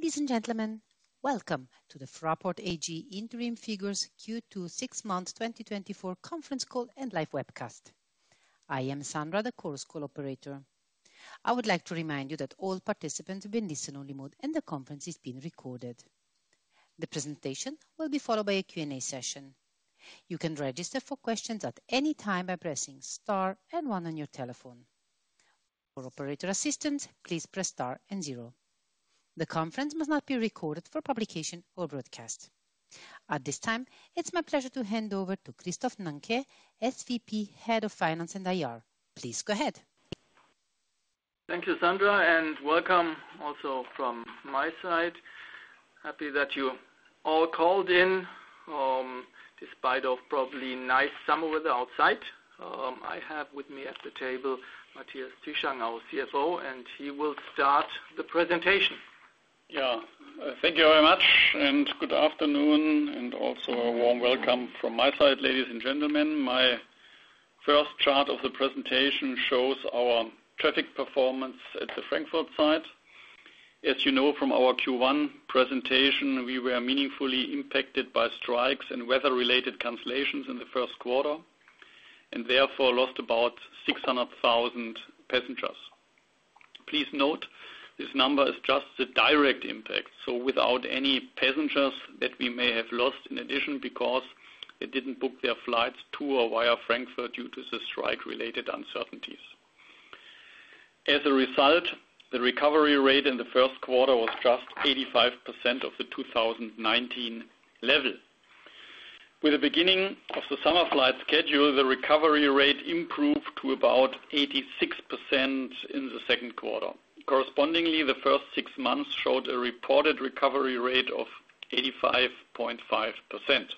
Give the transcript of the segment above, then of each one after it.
Ladies and gentlemen, welcome to the Fraport AG interim figures Q2 six month 2024 conference call and live webcast. I am Sandra, the call's operator. I would like to remind you that all participants will be in listen-only mode and the conference is being recorded. The presentation will be followed by a Q&A session. You can register for questions at any time by pressing star and one on your telephone. For operator assistance, please press star and zero. The conference must not be recorded for publication or broadcast. At this time, it's my pleasure to hand over to Christoph Nanke, SVP, Head of Finance and IR. Please go ahead. Thank you, Sandra, and welcome also from my side. Happy that you all called in, despite of probably nice summer weather outside. I have with me at the table Matthias Zieschang, our CFO, and he will start the presentation. Yeah, thank you very much, and good afternoon, and also a warm welcome from my side, ladies and gentlemen. My first chart of the presentation shows our traffic performance at the Frankfurt site. As you know from our Q1 presentation, we were meaningfully impacted by strikes and weather-related cancellations in the first quarter, and therefore lost about 600,000 passengers. Please note this number is just the direct impact, so without any passengers that we may have lost in addition because they didn't book their flights to or via Frankfurt due to the strike-related uncertainties. As a result, the recovery rate in the first quarter was just 85% of the 2019 level. With the beginning of the summer flight schedule, the recovery rate improved to about 86% in the second quarter. Correspondingly, the first six months showed a reported recovery rate of 85.5%.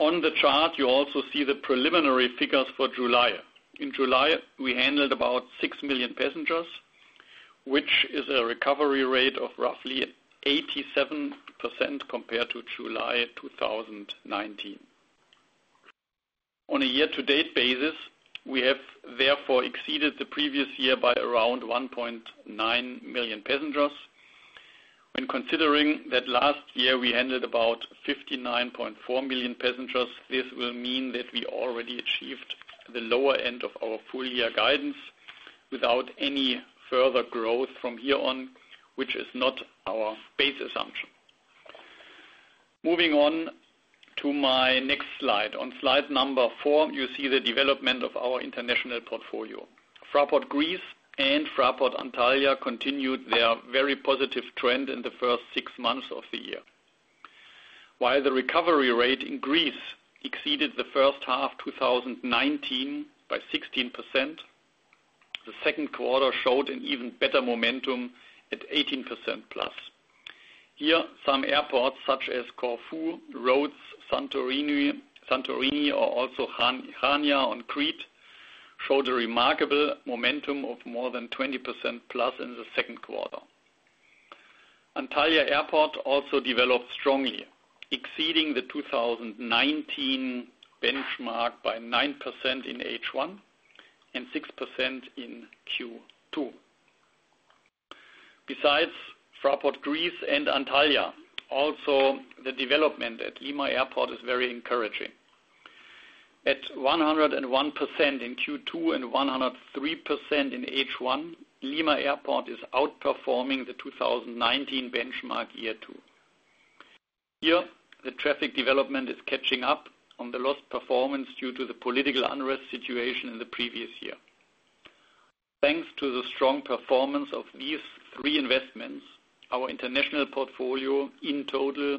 On the chart, you also see the preliminary figures for July. In July, we handled about 6 million passengers, which is a recovery rate of roughly 87% compared to July 2019. On a year-to-date basis, we have therefore exceeded the previous year by around 1.9 million passengers. When considering that last year we handled about 59.4 million passengers, this will mean that we already achieved the lower end of our full-year guidance without any further growth from here on, which is not our base assumption. Moving on to my next slide. On slide number 4, you see the development of our international portfolio. Fraport Greece and Fraport Antalya continued their very positive trend in the first 6 months of the year. While the recovery rate in Greece exceeded the first half 2019 by 16%, the second quarter showed an even better momentum at 18%+. Here, some airports such as Corfu, Rhodes, Santorini, or also Chania on Crete showed a remarkable momentum of more than 20%+ in the second quarter. Antalya Airport also developed strongly, exceeding the 2019 benchmark by 9% in H1 and 6% in Q2. Besides Fraport Greece and Antalya, also the development at Lima Airport is very encouraging. At 101% in Q2 and 103% in H1, Lima Airport is outperforming the 2019 benchmark year, too. Here, the traffic development is catching up on the lost performance due to the political unrest situation in the previous year. Thanks to the strong performance of these three investments, our international portfolio in total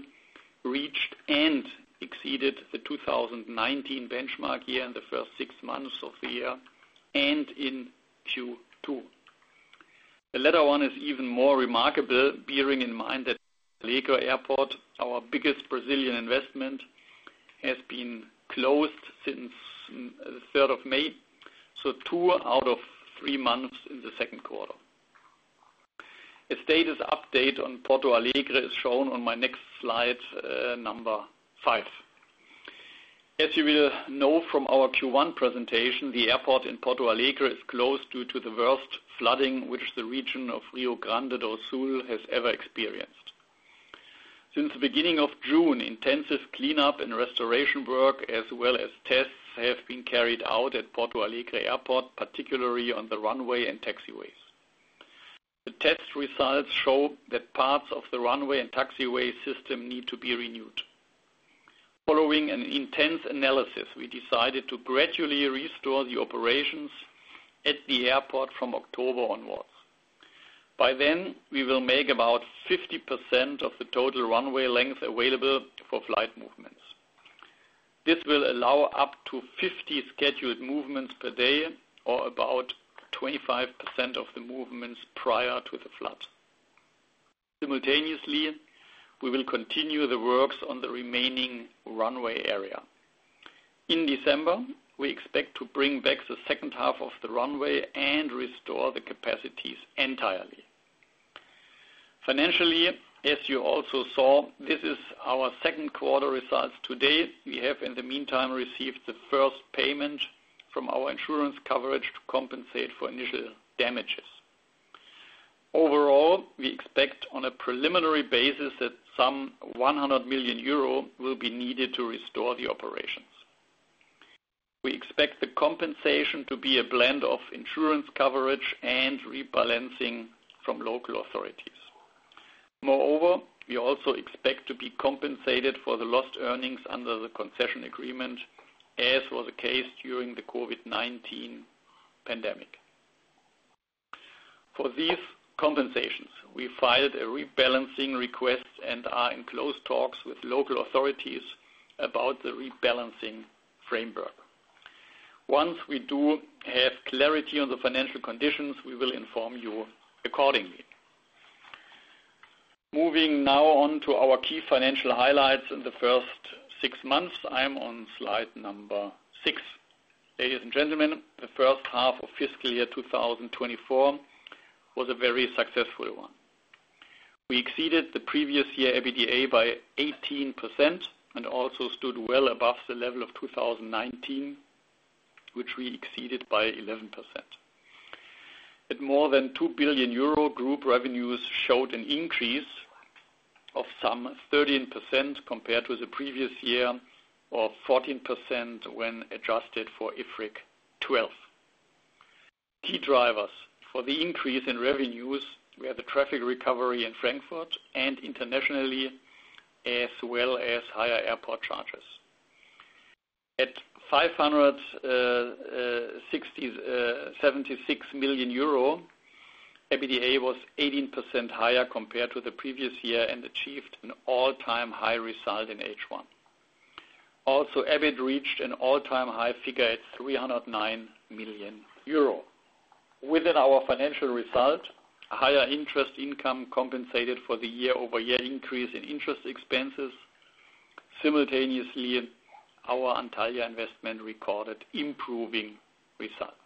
reached and exceeded the 2019 benchmark year in the first six months of the year and in Q2. The latter one is even more remarkable, bearing in mind that Porto Alegre Airport, our biggest Brazilian investment, has been closed since the 3rd of May, so two out of three months in the second quarter. A status update on Porto Alegre is shown on my next slide, number five. As you will know from our Q1 presentation, the airport in Porto Alegre is closed due to the worst flooding which the region of Rio Grande do Sul has ever experienced. Since the beginning of June, intensive cleanup and restoration work, as well as tests, have been carried out at Porto Alegre Airport, particularly on the runway and taxiways. The test results show that parts of the runway and taxiway system need to be renewed. Following an intense analysis, we decided to gradually restore the operations at the airport from October onwards. By then, we will make about 50% of the total runway length available for flight movements. This will allow up to 50 scheduled movements per day or about 25% of the movements prior to the flood. Simultaneously, we will continue the works on the remaining runway area. In December, we expect to bring back the second half of the runway and restore the capacities entirely. Financially, as you also saw, this is our second quarter results. Today, we have, in the meantime, received the first payment from our insurance coverage to compensate for initial damages. Overall, we expect on a preliminary basis that some 100 million euro will be needed to restore the operations. We expect the compensation to be a blend of insurance coverage and rebalancing from local authorities. Moreover, we also expect to be compensated for the lost earnings under the concession agreement, as was the case during the COVID-19 pandemic. For these compensations, we filed a rebalancing request and are in close talks with local authorities about the rebalancing framework. Once we do have clarity on the financial conditions, we will inform you accordingly. Moving now on to our key financial highlights in the first six months, I'm on slide number six. Ladies and gentlemen, the first half of fiscal year 2024 was a very successful one. We exceeded the previous year EBITDA by 18% and also stood well above the level of 2019, which we exceeded by 11%. At more than 2 billion euro, group revenues showed an increase of some 13% compared to the previous year or 14% when adjusted for IFRIC 12. Key drivers for the increase in revenues were the traffic recovery in Frankfurt and internationally, as well as higher airport charges. At 566 million euro, EBITDA was 18% higher compared to the previous year and achieved an all-time high result in H1. Also, EBIT reached an all-time high figure at 309 million euro. Within our financial result, higher interest income compensated for the year-over-year increase in interest expenses. Simultaneously, our Antalya investment recorded improving results.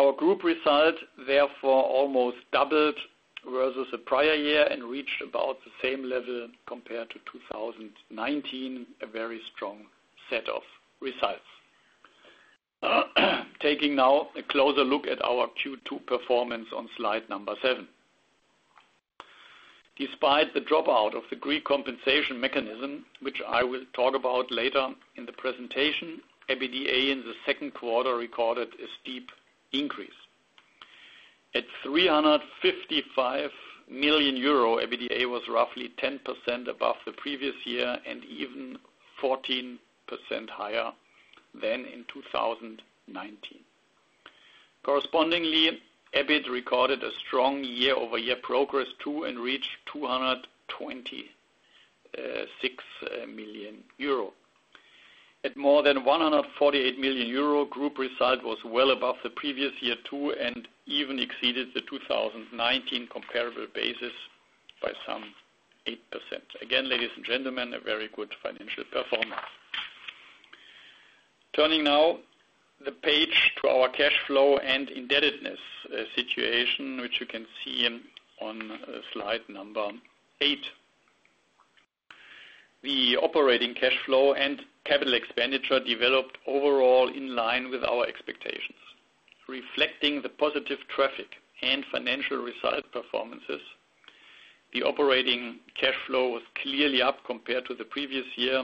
Our group result, therefore, almost doubled versus the prior year and reached about the same level compared to 2019, a very strong set of results. Taking now a closer look at our Q2 performance on slide number 7. Despite the dropout of the Greek compensation mechanism, which I will talk about later in the presentation, EBITDA in the second quarter recorded a steep increase. At 355 million euro, EBITDA was roughly 10% above the previous year and even 14% higher than in 2019. Correspondingly, EBIT recorded a strong year-over-year progress too and reached 226 million euro. At more than 148 million euro, group result was well above the previous year too and even exceeded the 2019 comparable basis by some 8%. Again, ladies and gentlemen, a very good financial performance. Turning now the page to our cash flow and indebtedness situation, which you can see on slide number 8. The operating cash flow and capital expenditure developed overall in line with our expectations. Reflecting the positive traffic and financial result performances, the operating cash flow was clearly up compared to the previous year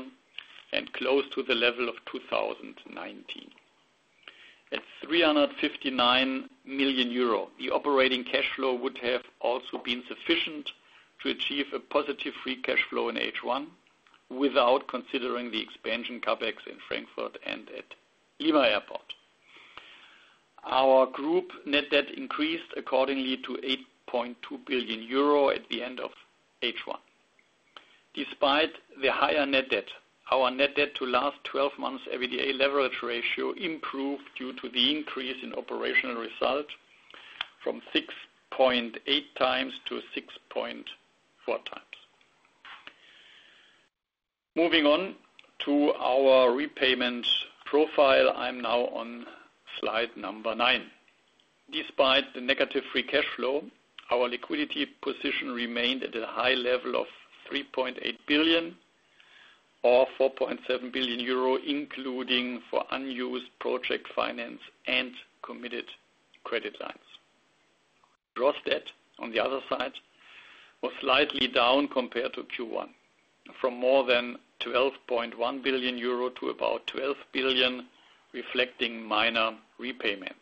and close to the level of 2019. At 359 million euro, the operating cash flow would have also been sufficient to achieve a positive free cash flow in H1 without considering the expansion CapEx in Frankfurt and at Lima Airport. Our group net debt increased accordingly to 8.2 billion euro at the end of H1. Despite the higher net debt, our net debt to last 12 months EBITDA leverage ratio improved due to the increase in operational result from 6.8 times to 6.4 times. Moving on to our repayment profile, I'm now on slide number 9. Despite the negative free cash flow, our liquidity position remained at a high level of 3.8 billion or 4.7 billion euro, including for unused project finance and committed credit lines. Gross debt, on the other side, was slightly down compared to Q1, from more than 12.1 billion euro to about 12 billion, reflecting minor repayments.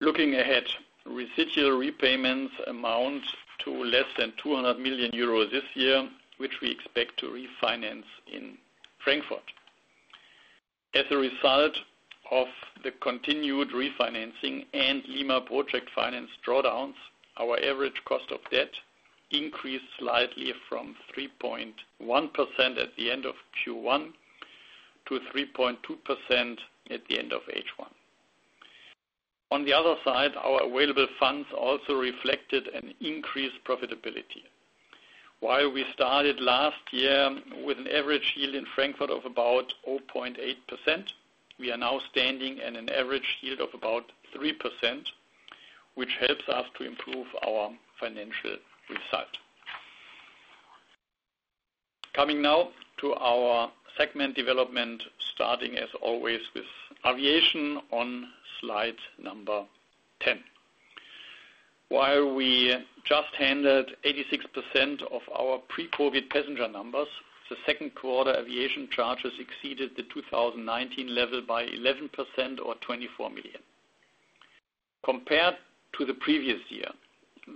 Looking ahead, residual repayments amount to less than 200 million euros this year, which we expect to refinance in Frankfurt. As a result of the continued refinancing and Lima project finance drawdowns, our average cost of debt increased slightly from 3.1% at the end of Q1 to 3.2% at the end of H1. On the other side, our available funds also reflected an increased profitability. While we started last year with an average yield in Frankfurt of about 0.8%, we are now standing at an average yield of about 3%, which helps us to improve our financial result. Coming now to our segment development, starting as always with aviation on slide 10. While we just handled 86% of our pre-COVID passenger numbers, the second quarter aviation charges exceeded the 2019 level by 11% or 24 million. Compared to the previous year,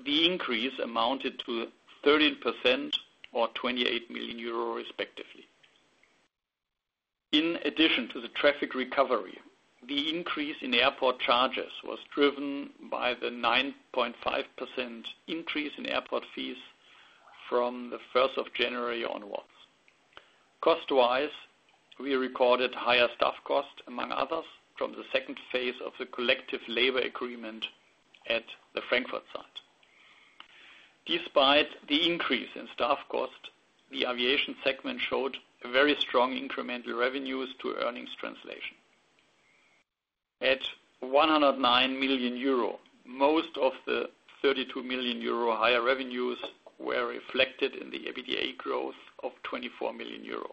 the increase amounted to 13% or 28 million euro respectively. In addition to the traffic recovery, the increase in airport charges was driven by the 9.5% increase in airport fees from the 1st of January onwards. Cost-wise, we recorded higher staff cost, among others, from the second phase of the collective labor agreement at the Frankfurt site. Despite the increase in staff cost, the aviation segment showed very strong incremental revenues to earnings translation. At 109 million euro, most of the 32 million euro higher revenues were reflected in the EBITDA growth of 24 million euro.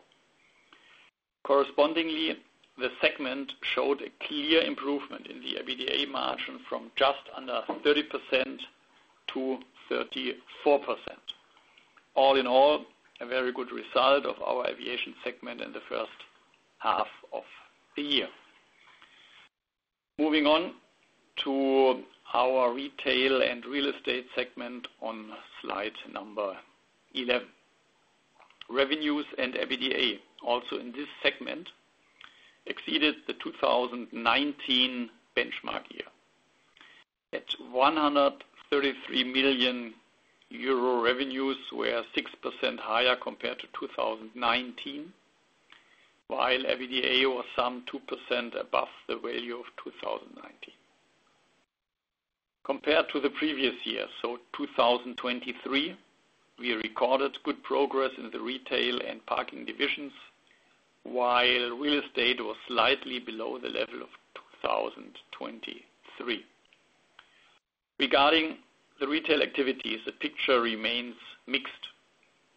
Correspondingly, the segment showed a clear improvement in the EBITDA margin from just under 30% to 34%. All in all, a very good result of our aviation segment in the first half of the year. Moving on to our retail and real estate segment on slide number 11. Revenues and EBITDA, also in this segment, exceeded the 2019 benchmark year. At 133 million euro, revenues were 6% higher compared to 2019, while EBITDA was some 2% above the value of 2019. Compared to the previous year, so 2023, we recorded good progress in the retail and parking divisions, while real estate was slightly below the level of 2023. Regarding the retail activities, the picture remains mixed.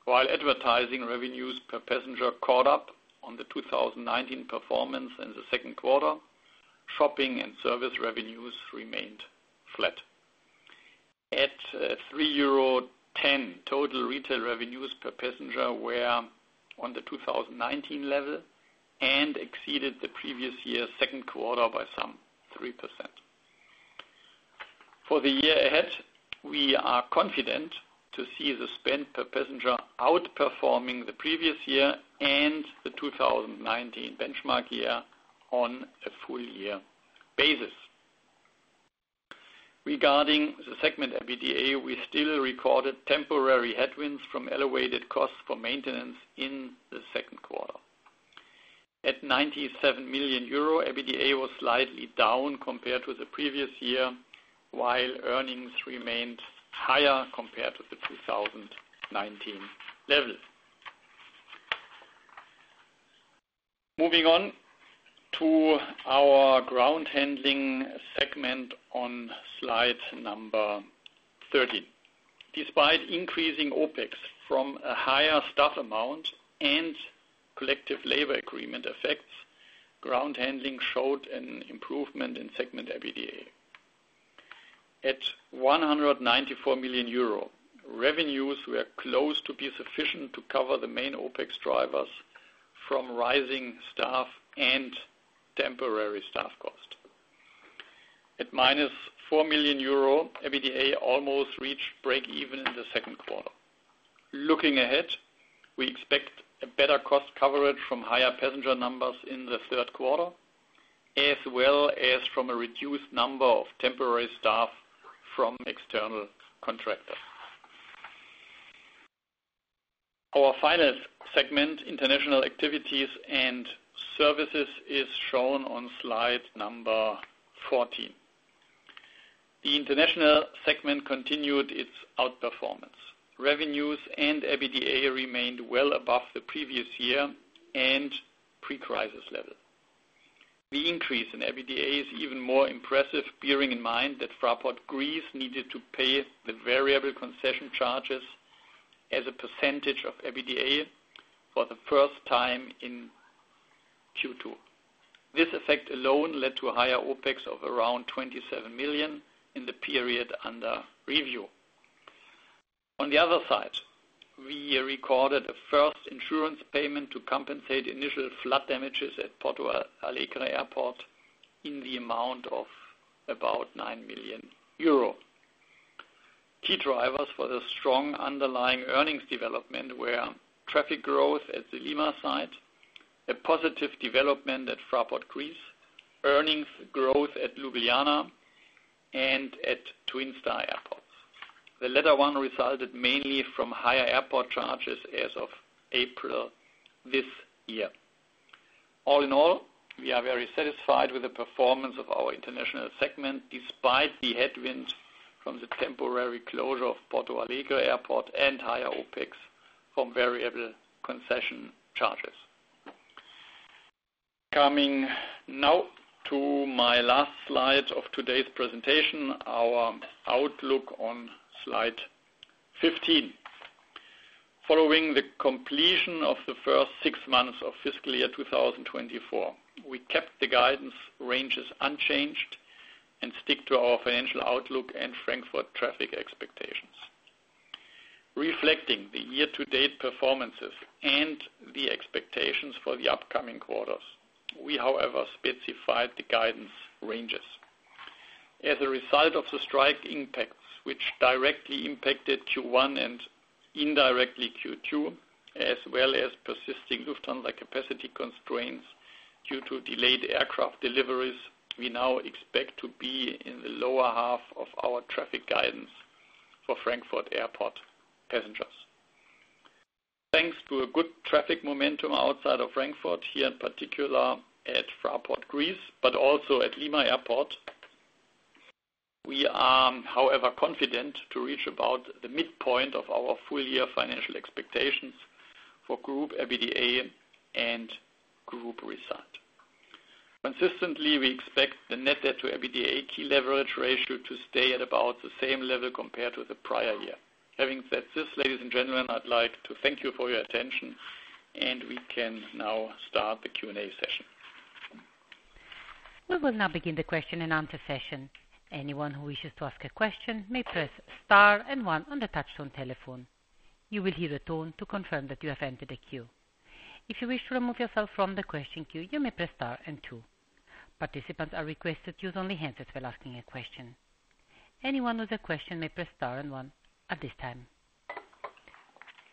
While advertising revenues per passenger caught up on the 2019 performance in the second quarter, shopping and service revenues remained flat. At 3.10 euro, total retail revenues per passenger were on the 2019 level and exceeded the previous year's second quarter by some 3%. For the year ahead, we are confident to see the spend per passenger outperforming the previous year and the 2019 benchmark year on a full-year basis. Regarding the segment EBITDA, we still recorded temporary headwinds from elevated costs for maintenance in the second quarter. At 97 million euro, EBITDA was slightly down compared to the previous year, while earnings remained higher compared to the 2019 level. Moving on to our ground handling segment on slide number 13. Despite increasing OpEx from a higher staff amount and collective labor agreement effects, ground handling showed an improvement in segment EBITDA. At 194 million euro, revenues were close to be sufficient to cover the main OpEx drivers from rising staff and temporary staff cost. At -4 million euro, EBITDA almost reached break-even in the second quarter. Looking ahead, we expect a better cost coverage from higher passenger numbers in the third quarter, as well as from a reduced number of temporary staff from external contractors. Our final segment, international activities and services, is shown on slide number 14. The international segment continued its outperformance. Revenues and EBITDA remained well above the previous year and pre-crisis level. The increase in EBITDA is even more impressive, bearing in mind that Fraport Greece needed to pay the variable concession charges as a percentage of EBITDA for the first time in Q2. This effect alone led to a higher OpEx of around 27 million in the period under review. On the other side, we recorded a first insurance payment to compensate initial flood damages at Porto Alegre Airport in the amount of about 9 million euro. Key drivers for the strong underlying earnings development were traffic growth at the Lima site, a positive development at Fraport Greece, earnings growth at Ljubljana, and at Twin Star Airports. The latter one resulted mainly from higher airport charges as of April this year. All in all, we are very satisfied with the performance of our international segment despite the headwind from the temporary closure of Porto Alegre Airport and higher OpEx from variable concession charges. Coming now to my last slide of today's presentation, our outlook on slide 15. Following the completion of the first six months of fiscal year 2024, we kept the guidance ranges unchanged and stick to our financial outlook and Frankfurt traffic expectations. Reflecting the year-to-date performances and the expectations for the upcoming quarters, we, however, specified the guidance ranges. As a result of the strike impacts, which directly impacted Q1 and indirectly Q2, as well as persisting Lufthansa capacity constraints due to delayed aircraft deliveries, we now expect to be in the lower half of our traffic guidance for Frankfurt Airport passengers. Thanks to a good traffic momentum outside of Frankfurt, here in particular at Fraport Greece, but also at Lima Airport, we are, however, confident to reach about the midpoint of our full-year financial expectations for group EBITDA and group result. Consistently, we expect the net debt to EBITDA key leverage ratio to stay at about the same level compared to the prior year. Having said this, ladies and gentlemen, I'd like to thank you for your attention, and we can now start the Q&A session. We will now begin the question-and-answer session. Anyone who wishes to ask a question may press star and one on the touch-tone telephone. You will hear a tone to confirm that you have entered a queue. If you wish to remove yourself from the question queue, you may press star and two. Participants are requested to use only handset while asking a question. Anyone with a question may press star and one at this time.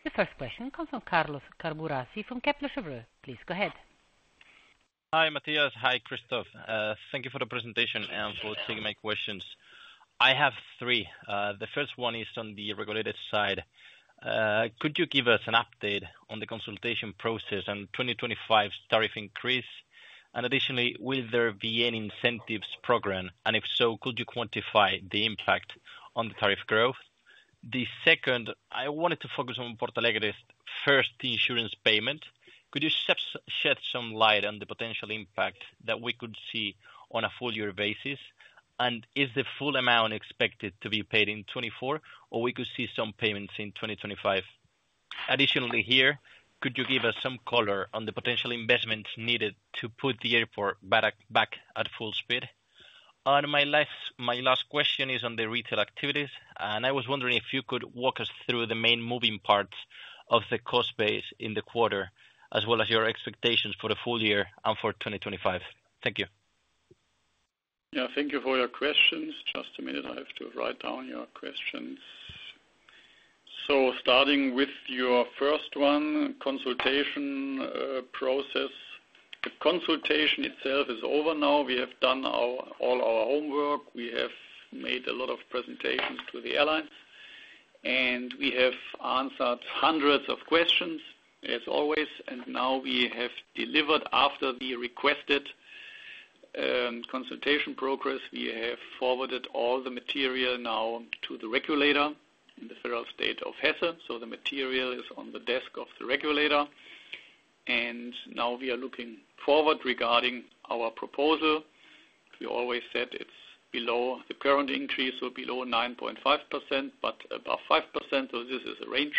The first question comes from Carlos Caburrasi from Kepler Cheuvreux. Please go ahead. Hi, Matthias. Hi, Christoph. Thank you for the presentation and for taking my questions. I have three. The first one is on the regulated side. Could you give us an update on the consultation process and 2025 tariff increase? And additionally, will there be any incentives programmed? And if so, could you quantify the impact on the tariff growth? The second, I wanted to focus on Porto Alegre's first insurance payment. Could you shed some light on the potential impact that we could see on a full-year basis? And is the full amount expected to be paid in 2024, or we could see some payments in 2025? Additionally, here, could you give us some color on the potential investments needed to put the airport back at full speed? And my last question is on the retail activities, and I was wondering if you could walk us through the main moving parts of the cost base in the quarter, as well as your expectations for the full year and for 2025. Thank you. Yeah, thank you for your questions. Just a minute, I have to write down your questions. So starting with your first one, consultation process. The consultation itself is over now. We have done all our homework. We have made a lot of presentations to the airlines, and we have answered hundreds of questions, as always. And now we have delivered, after we requested consultation progress, we have forwarded all the material now to the regulator in the federal state of Hesse. So the material is on the desk of the regulator. Now we are looking forward regarding our proposal. We always said it's below the current increase, so below 9.5%, but above 5%. So this is a range.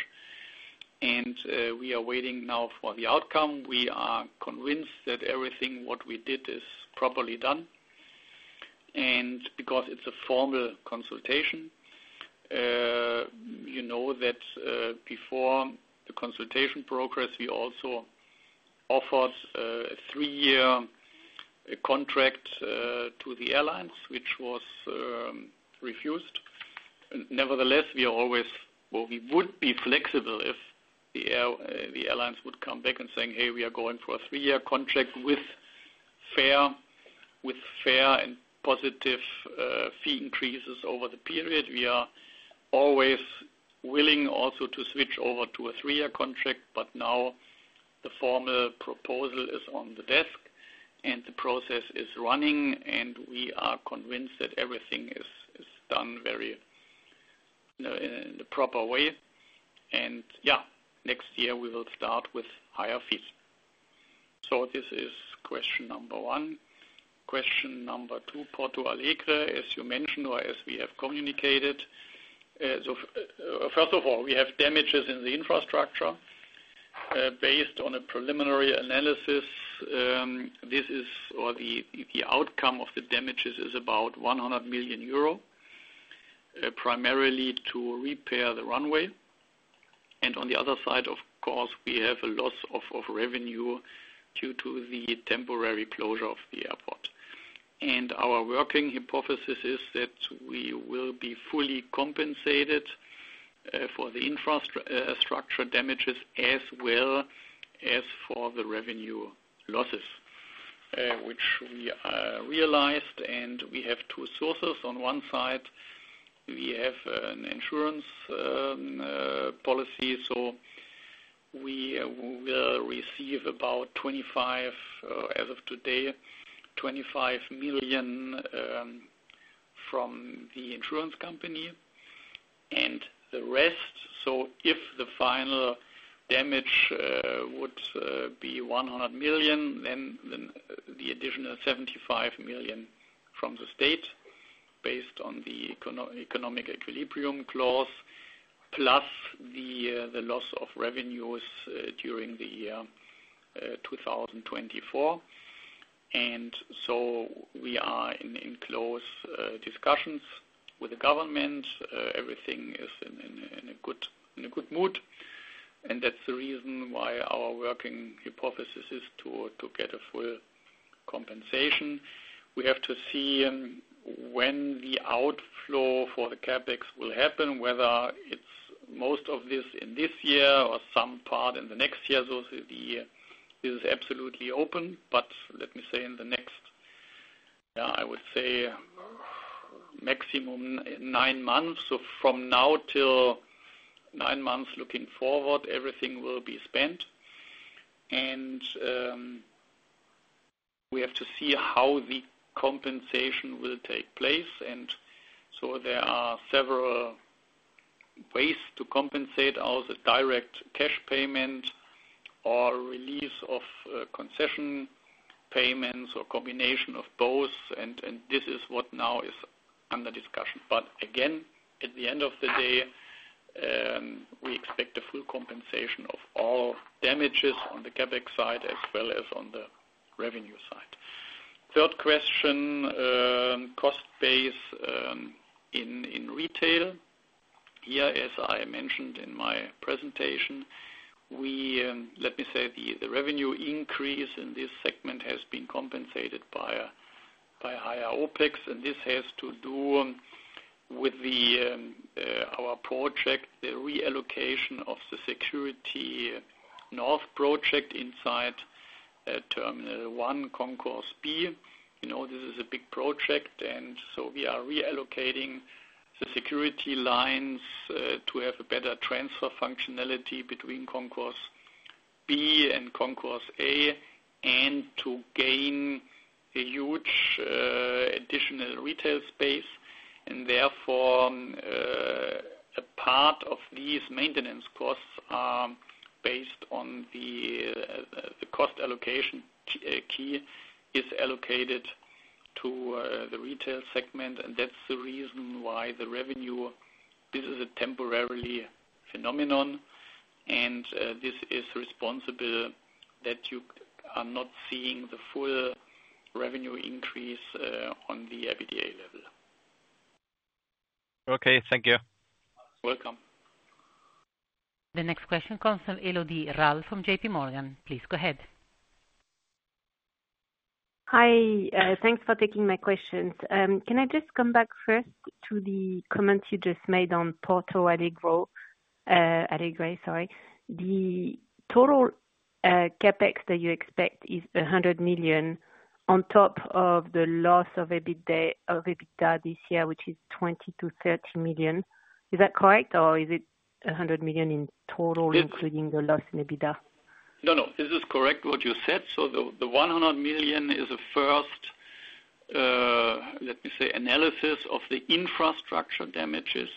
And we are waiting now for the outcome. We are convinced that everything what we did is properly done. And because it's a formal consultation, you know that before the consultation progress, we also offered a three-year contract to the airlines, which was refused. Nevertheless, we are always, well, we would be flexible if the airlines would come back and say, "Hey, we are going for a three-year contract with FAIR," with FAIR and positive fee increases over the period. We are always willing also to switch over to a three-year contract, but now the formal proposal is on the desk, and the process is running, and we are convinced that everything is done very in the proper way. And yeah, next year we will start with higher fees. So this is question number one. Question number two, Porto Alegre, as you mentioned or as we have communicated. So first of all, we have damages in the infrastructure. Based on a preliminary analysis, this is—or the outcome of the damages is about 100 million euro, primarily to repair the runway. And on the other side, of course, we have a loss of revenue due to the temporary closure of the airport. And our working hypothesis is that we will be fully compensated for the infrastructure damages as well as for the revenue losses, which we realized. We have two sources. On one side, we have an insurance policy, so we will receive about 25 million—as of today, 25 million from the insurance company. And the rest—so if the final damage would be 100 million, then the additional 75 million from the state, based on the economic equilibrium clause, plus the loss of revenues during the year 2024. And so we are in close discussions with the government. Everything is in a good mood. And that's the reason why our working hypothesis is to get a full compensation. We have to see when the outflow for the CapEx will happen, whether it's most of this in this year or some part in the next year. So this is absolutely open, but let me say in the next—yeah, I would say maximum nine months. So from now till nine months looking forward, everything will be spent. We have to see how the compensation will take place. So there are several ways to compensate: either direct cash payment or release of concession payments or a combination of both. This is what now is under discussion. But again, at the end of the day, we expect a full compensation of all damages on the CapEx side as well as on the revenue side. Third question, cost base in retail. Here, as I mentioned in my presentation, we, let me say the revenue increase in this segment has been compensated by higher OpEx. This has to do with our project, the reallocation of the Security North project inside Terminal 1, Concourse B. This is a big project. So we are reallocating the security lines to have a better transfer functionality between Concourse B and Concourse A and to gain a huge additional retail space. And therefore, a part of these maintenance costs are based on the cost allocation key is allocated to the retail segment. And that's the reason why the revenue - this is a temporary phenomenon. And this is responsible that you are not seeing the full revenue increase on the EBITDA level. Okay, thank you. You're welcome. The next question comes from Élodie Rall from J.P. Morgan. Please go ahead. Hi, thanks for taking my questions. Can I just come back first to the comments you just made on Porto Alegre? Sorry. The total CapEx that you expect is 100 million on top of the loss of EBITDA this year, which is 20 million-30 million. Is that correct, or is it 100 million in total, including the loss in EBITDA? No, no. This is correct, what you said. So the 100 million is a first, let me say, analysis of the infrastructure damages.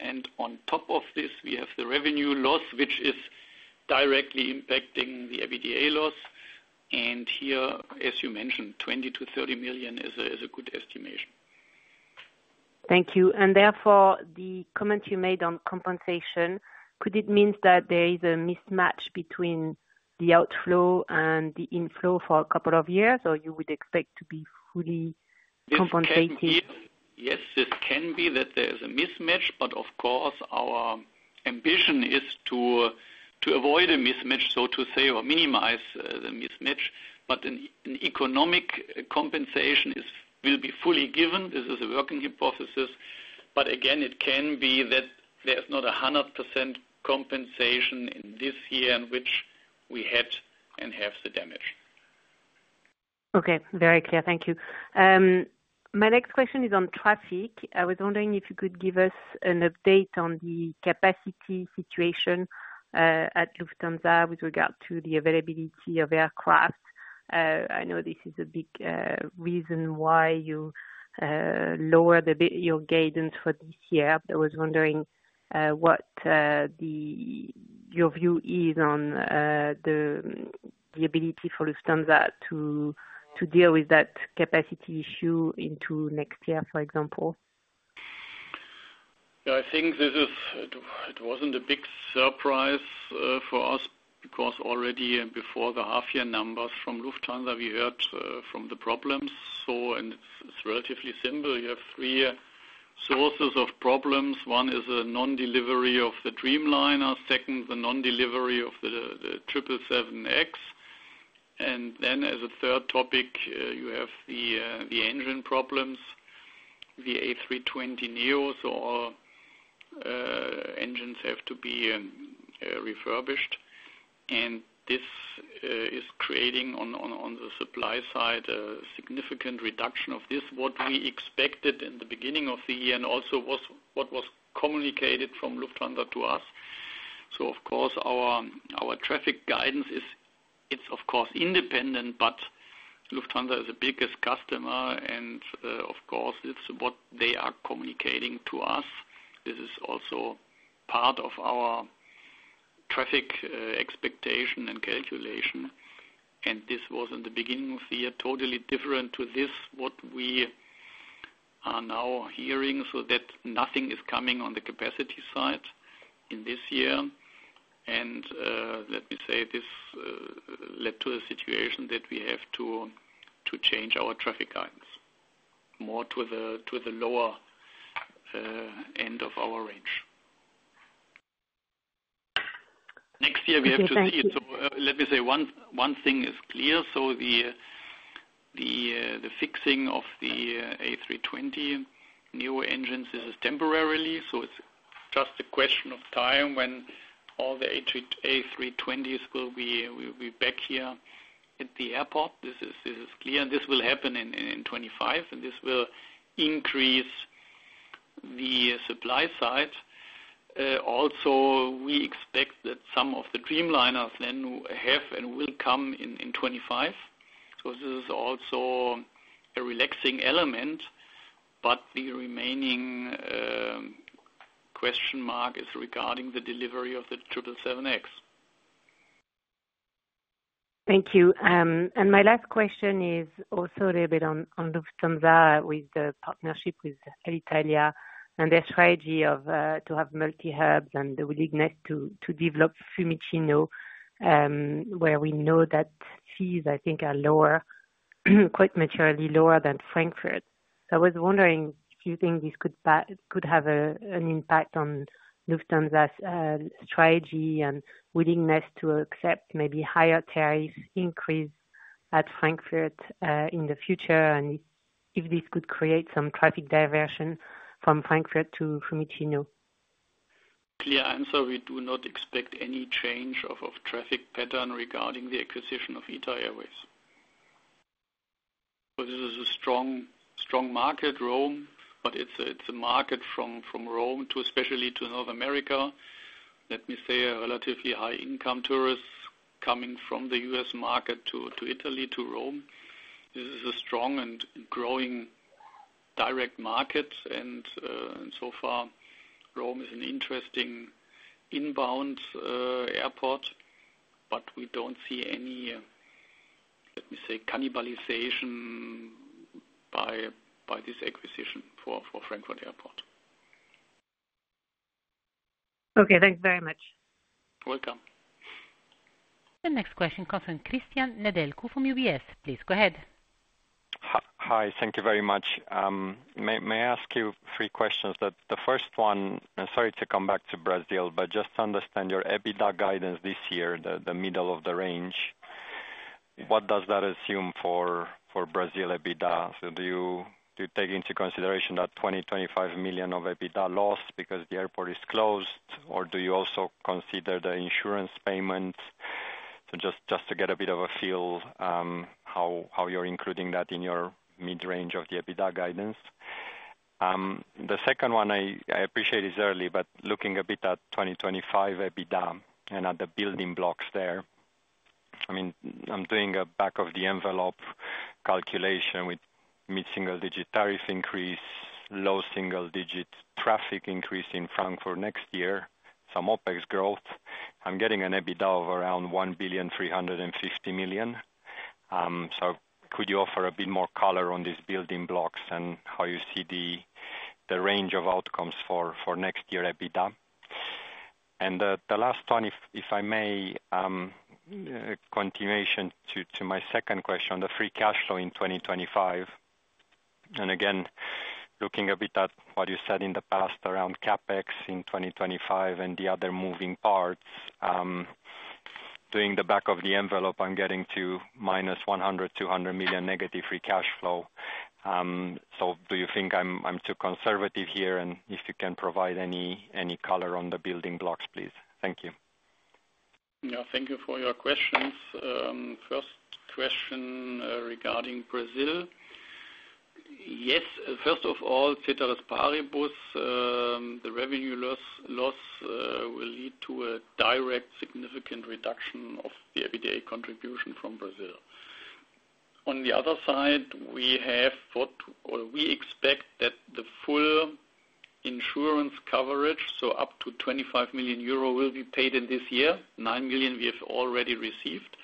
And on top of this, we have the revenue loss, which is directly impacting the EBITDA loss. And here, as you mentioned, 20 million-30 million is a good estimation. Thank you. And therefore, the comment you made on compensation, could it mean that there is a mismatch between the outflow and the inflow for a couple of years, or you would expect to be fully compensated? Yes, this can be that there's a mismatch. But of course, our ambition is to avoid a mismatch, so to say, or minimize the mismatch. But an economic compensation will be fully given. This is a working hypothesis. But again, it can be that there's not a 100% compensation in this year in which we had and have the damage. Okay, very clear. Thank you. My next question is on traffic. I was wondering if you could give us an update on the capacity situation at Lufthansa with regard to the availability of aircraft. I know this is a big reason why you lowered your guidance for this year. I was wondering what your view is on the ability for Lufthansa to deal with that capacity issue into next year, for example. Yeah, I think this is. It wasn't a big surprise for us because already before the half-year numbers from Lufthansa, we heard from the problems. And it's relatively simple. You have three sources of problems. One is a non-delivery of the Dreamliner. Second, the non-delivery of the 777X. And then as a third topic, you have the engine problems, the A320neo. So all engines have to be refurbished. And this is creating, on the supply side, a significant reduction of this, what we expected in the beginning of the year and also what was communicated from Lufthansa to us. So of course, our traffic guidance is, of course, independent, but Lufthansa is a big customer. And of course, it's what they are communicating to us. This is also part of our traffic expectation and calculation. And this was, in the beginning of the year, totally different to this, what we are now hearing, so that nothing is coming on the capacity side in this year. And let me say this led to a situation that we have to change our traffic guidance more to the lower end of our range. Next year, we have to see it. So let me say one thing is clear. So the fixing of the A320neo engines, this is temporarily. So it's just a question of time when all the A320s will be back here at the airport. This is clear. This will happen in 2025. And this will increase the supply side. Also, we expect that some of the Dreamliners then have and will come in 2025. So this is also a relaxing element. But the remaining question mark is regarding the delivery of the 777X. Thank you. And my last question is also a little bit on Lufthansa with the partnership with Alitalia and their strategy to have multi-hubs and the willingness to develop Fiumicino, where we know that fees, I think, are lower, quite materially lower than Frankfurt. So I was wondering if you think this could have an impact on Lufthansa's strategy and willingness to accept maybe higher tariff increase at Frankfurt in the future, and if this could create some traffic diversion from Frankfurt to Fiumicino. Clear. And so we do not expect any change of traffic pattern regarding the acquisition of ITA Airways. But this is a strong market, Rome. But it's a market from Rome to, especially, to North America. Let me say, relatively high-income tourists coming from the US market to Italy, to Rome. This is a strong and growing direct market. And so far, Rome is an interesting inbound airport. But we don't see any, let me say, cannibalization by this acquisition for Frankfurt Airport. Okay, thanks very much. You're welcome. The next question comes from Cristian Nedelcu from UBS. Please go ahead. Hi, thank you very much. May I ask you three questions? The first one, sorry to come back to Brazil, but just to understand your EBITDA guidance this year, the middle of the range, what does that assume for Brazil EBITDA? So do you take into consideration that 20 million-25 million of EBITDA lost because the airport is closed, or do you also consider the insurance payments? So just to get a bit of a feel how you're including that in your mid-range of the EBITDA guidance. The second one I appreciate is early, but looking a bit at 2025 EBITDA and at the building blocks there. I mean, I'm doing a back-of-the-envelope calculation with mid-single-digit tariff increase, low-single-digit traffic increase in Frankfurt next year, some OpEx growth. I'm getting an EBITDA of around 1.35 billion. So could you offer a bit more color on these building blocks and how you see the range of outcomes for next year EBITDA? And the last one, if I may, continuation to my second question, the free cash flow in 2025. And again, looking a bit at what you said in the past around CapEx in 2025 and the other moving parts, doing the back-of-the-envelope, I'm getting to -100 million to -200 million negative free cash flow. So do you think I'm too conservative here? And if you can provide any color on the building blocks, please. Thank you. Yeah, thank you for your questions. First question regarding Brazil. Yes, first of all, ceteris paribus, the revenue loss will lead to a direct significant reduction of the EBITDA contribution from Brazil. On the other side, we have thought or we expect that the full insurance coverage, so up to 25 million euro, will be paid in this year. 9 million we have already received.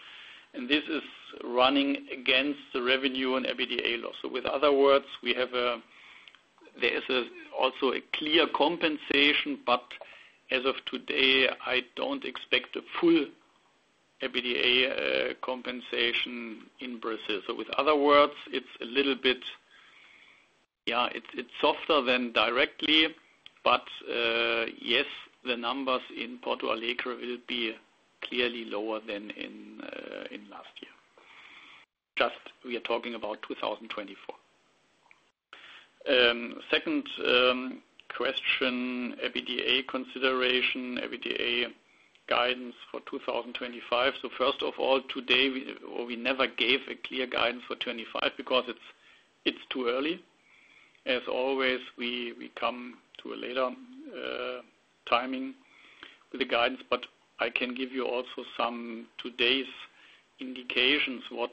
And this is running against the revenue and EBITDA loss. So with other words, there is also a clear compensation. But as of today, I don't expect a full EBITDA compensation in Brazil. So with other words, it's a little bit, yeah, it's softer than directly. But yes, the numbers in Porto Alegre will be clearly lower than in last year. Just we are talking about 2024. Second question, EBITDA consideration, EBITDA guidance for 2025. So first of all, today, we never gave a clear guidance for 2025 because it's too early. As always, we come to a later timing with the guidance. But I can give you also some today's indications, what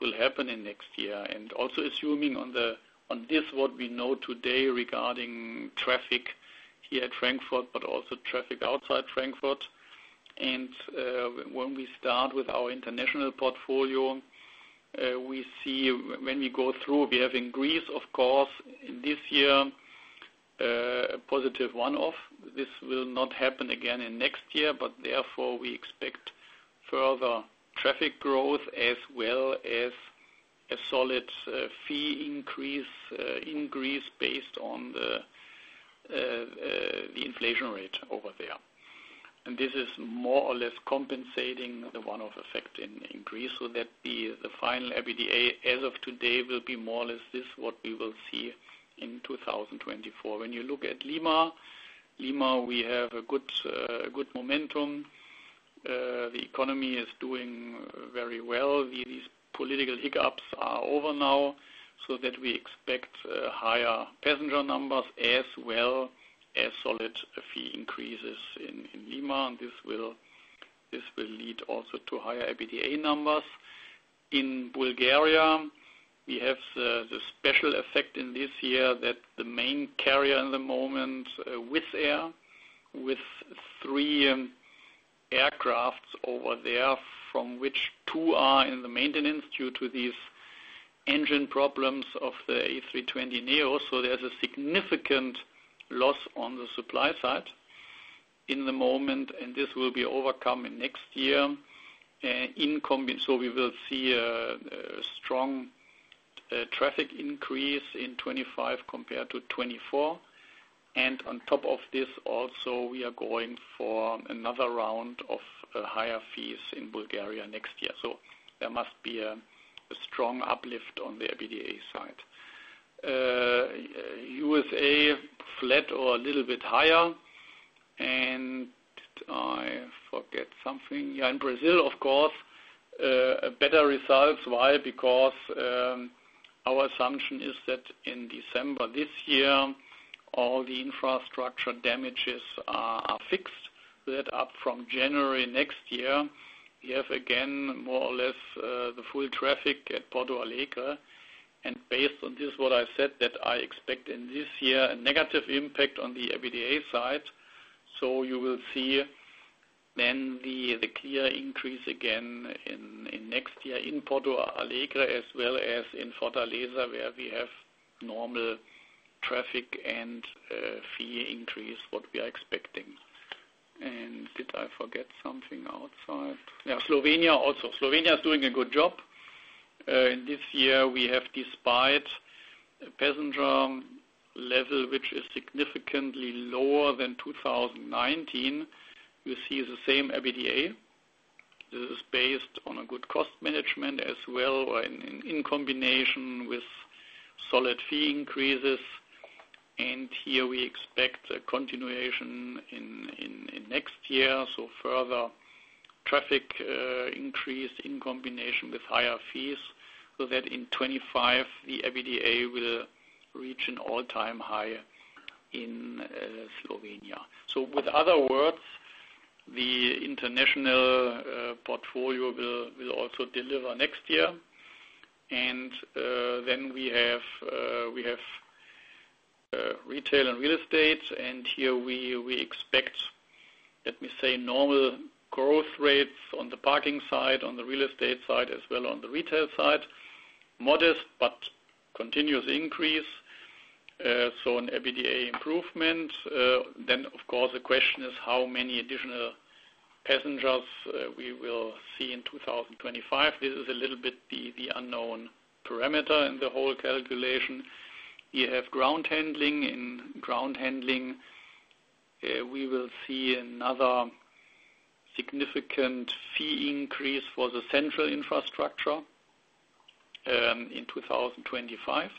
will happen in next year. And also assuming on this, what we know today regarding traffic here at Frankfurt, but also traffic outside Frankfurt. And when we start with our international portfolio, we see when we go through, we have in Greece, of course, this year, a positive one-off. This will not happen again in next year. But therefore, we expect further traffic growth as well as a solid fee increase based on the inflation rate over there. And this is more or less compensating the one-off effect in Greece. So that the final EBITDA as of today will be more or less this, what we will see in 2024. When you look at Lima, Lima, we have a good momentum. The economy is doing very well. These political hiccups are over now. So that we expect higher passenger numbers as well as solid fee increases in Lima. This will lead also to higher EBITDA numbers. In Bulgaria, we have the special effect in this year that the main carrier in the moment, Wizz Air, with three aircrafts over there, from which two are in the maintenance due to these engine problems of the A320neo. So there's a significant loss on the supply side in the moment. And this will be overcome in next year. So we will see a strong traffic increase in 2025 compared to 2024. And on top of this, also, we are going for another round of higher fees in Bulgaria next year. So there must be a strong uplift on the EBITDA side. U.S. flat or a little bit higher. And I forget something. Yeah, in Brazil, of course, better results. Why? Because our assumption is that in December this year, all the infrastructure damages are fixed. So that up from January next year, we have again more or less the full traffic at Porto Alegre. Based on this, what I said, that I expect in this year a negative impact on the EBITDA side. So you will see then the clear increase again in next year in Porto Alegre as well as in Fortaleza, where we have normal traffic and fee increase, what we are expecting. Did I forget something outside? Yeah, Slovenia also. Slovenia is doing a good job. In this year, we have, despite passenger level, which is significantly lower than 2019, we see the same EBITDA. This is based on a good cost management as well or in combination with solid fee increases. Here we expect a continuation in next year. So further traffic increase in combination with higher fees. So that in 2025, the EBITDA will reach an all-time high in Slovenia. So in other words, the international portfolio will also deliver next year. And then we have retail and real estate. And here we expect, let me say, normal growth rates on the parking side, on the real estate side, as well on the retail side. Modest but continuous increase. So an EBITDA improvement. Then, of course, the question is how many additional passengers we will see in 2025. This is a little bit the unknown parameter in the whole calculation. You have ground handling. In ground handling, we will see another significant fee increase for the central infrastructure in 2025.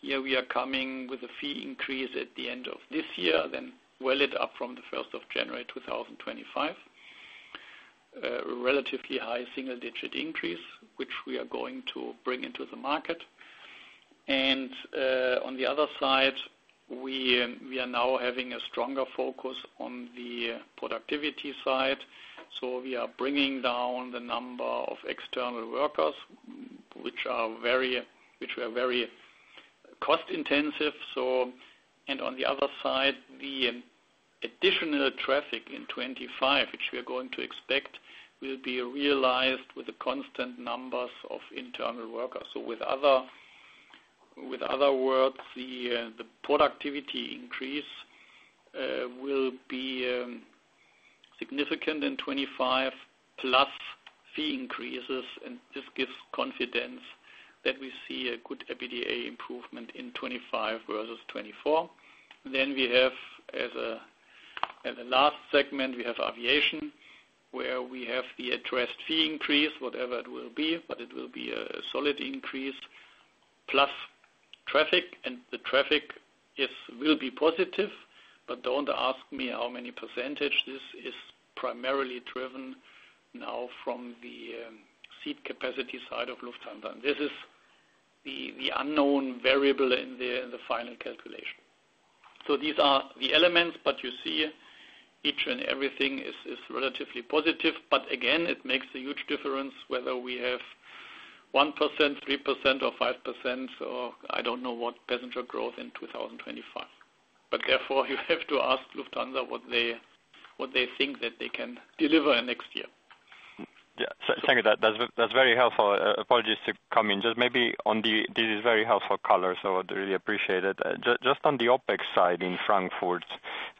Here we are coming with a fee increase at the end of this year, then, well, up from the 1st of January 2025. Relatively high single-digit increase, which we are going to bring into the market. On the other side, we are now having a stronger focus on the productivity side. We are bringing down the number of external workers, which are very cost-intensive. On the other side, the additional traffic in 2025, which we are going to expect, will be realized with the constant numbers of internal workers. In other words, the productivity increase will be significant in 2025 plus fee increases. This gives confidence that we see a good EBITDA improvement in 2025 versus 2024. Then we have, as a last segment, aviation, where we have the addressed fee increase, whatever it will be, but it will be a solid increase plus traffic. The traffic will be positive. But don't ask me how many percent. This is primarily driven now from the seat capacity side of Lufthansa. This is the unknown variable in the final calculation. These are the elements. You see each and everything is relatively positive. Again, it makes a huge difference whether we have 1%, 3%, or 5%, or I don't know what passenger growth in 2025. Therefore, you have to ask Lufthansa what they think that they can deliver next year. Yeah. Thank you. That's very helpful. Apologies to come in. Just maybe on the this is very helpful colors, so I'd really appreciate it. Just on the OpEx side in Frankfurt,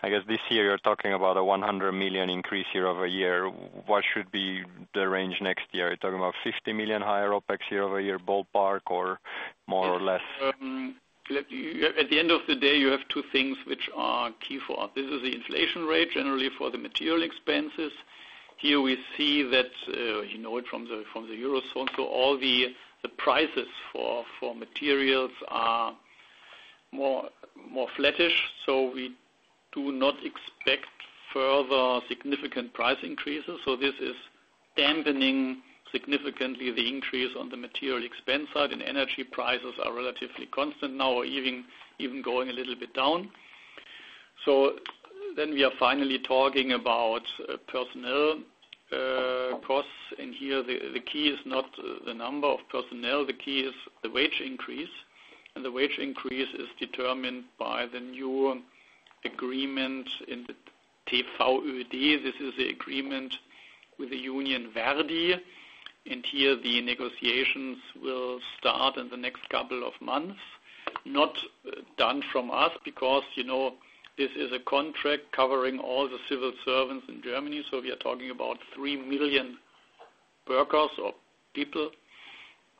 I guess this year you're talking about a 100 million increase year-over-year. What should be the range next year? Are you talking about 50 million higher OpEx year-over-year, ballpark, or more or less? At the end of the day, you have two things which are key for us. This is the inflation rate generally for the material expenses. Here we see that you know it from the Eurozone. So all the prices for materials are more flattish. So we do not expect further significant price increases. So this is dampening significantly the increase on the material expense side. And energy prices are relatively constant now or even going a little bit down. So then we are finally talking about personnel costs. And here the key is not the number of personnel. The key is the wage increase. And the wage increase is determined by the new agreement in the TVöD. This is the agreement with the union ver.di. And here the negotiations will start in the next couple of months. Not done from us because this is a contract covering all the civil servants in Germany. So we are talking about three million workers or people.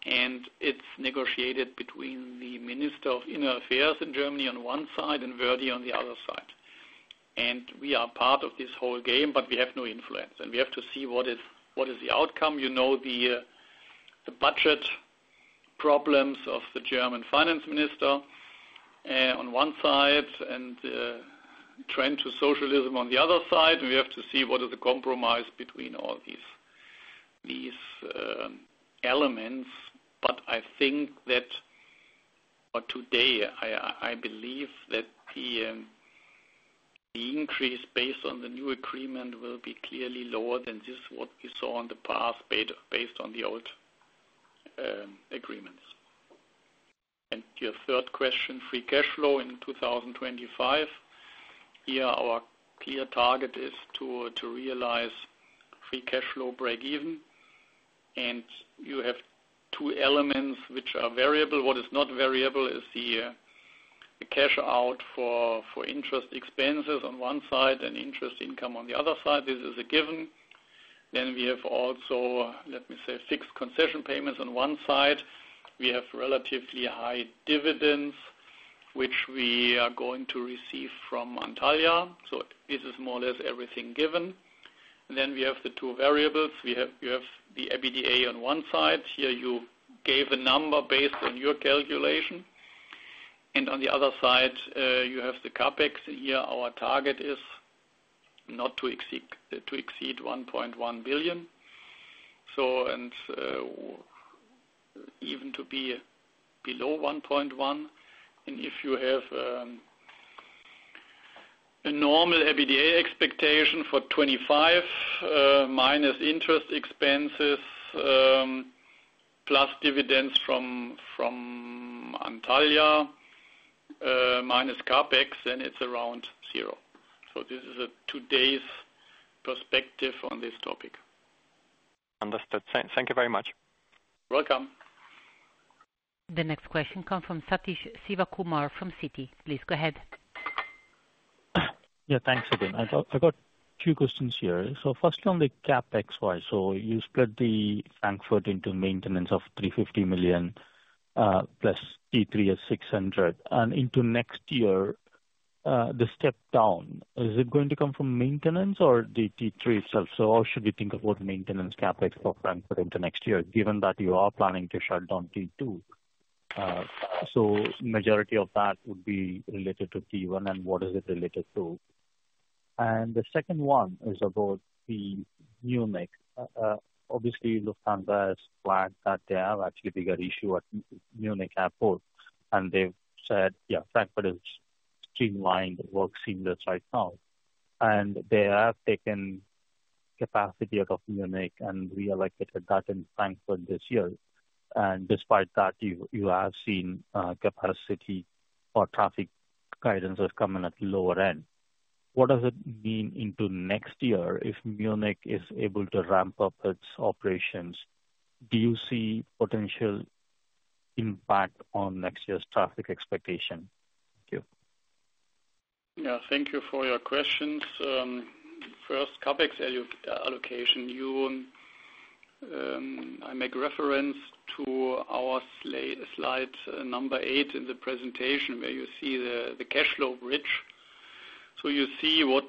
It's negotiated between the Minister of Inner Affairs in Germany on one side and ver.di on the other side. We are part of this whole game, but we have no influence. We have to see what is the outcome. You know the budget problems of the German finance minister on one side and trend to socialism on the other side. We have to see what is the compromise between all these elements. But I think that for today, I believe that the increase based on the new agreement will be clearly lower than just what we saw in the past based on the old agreements. Your third question, free cash flow in 2025. Here our clear target is to realize free cash flow break-even. You have two elements which are variable. What is not variable is the cash out for interest expenses on one side and interest income on the other side. This is a given. We have also, let me say, fixed concession payments on one side. We have relatively high dividends, which we are going to receive from Antalya. This is more or less everything given. We have the two variables. You have the EBITDA on one side. Here you gave a number based on your calculation. On the other side, you have the CapEx. Here our target is not to exceed 1.1 billion. Even to be below 1.1 billion. If you have a normal EBITDA expectation for 2025 minus interest expenses plus dividends from Antalya minus CapEx, then it's around zero. So this is today's perspective on this topic. Understood. Thank you very much. You're welcome. The next question comes from Sathish Sivakumar from Citi. Please go ahead. Yeah. Thanks, team. I got two questions here. So firstly, on the CapEx-wise, so you split the Frankfurt into maintenance of 350 million plus T3 at 600 million. And into next year, the step down, is it going to come from maintenance or the T3 itself? So how should we think about maintenance CapEx for Frankfurt into next year, given that you are planning to shut down T2? So majority of that would be related to T1, and what is it related to? And the second one is about the Munich. Obviously, Lufthansa has flagged that they have actually bigger issue at Munich Airport. And they've said, "Yeah, Frankfurt is streamlined, works seamless right now." And they have taken capacity out of Munich, and we are located that in Frankfurt this year. And despite that, you have seen capacity or traffic guidance has come in at the lower end. What does it mean into next year if Munich is able to ramp up its operations? Do you see potential impact on next year's traffic expectation? Thank you. Yeah. Thank you for your questions. First, CapEx allocation, I make reference to our slide number 8 in the presentation where you see the cash flow bridge. So you see what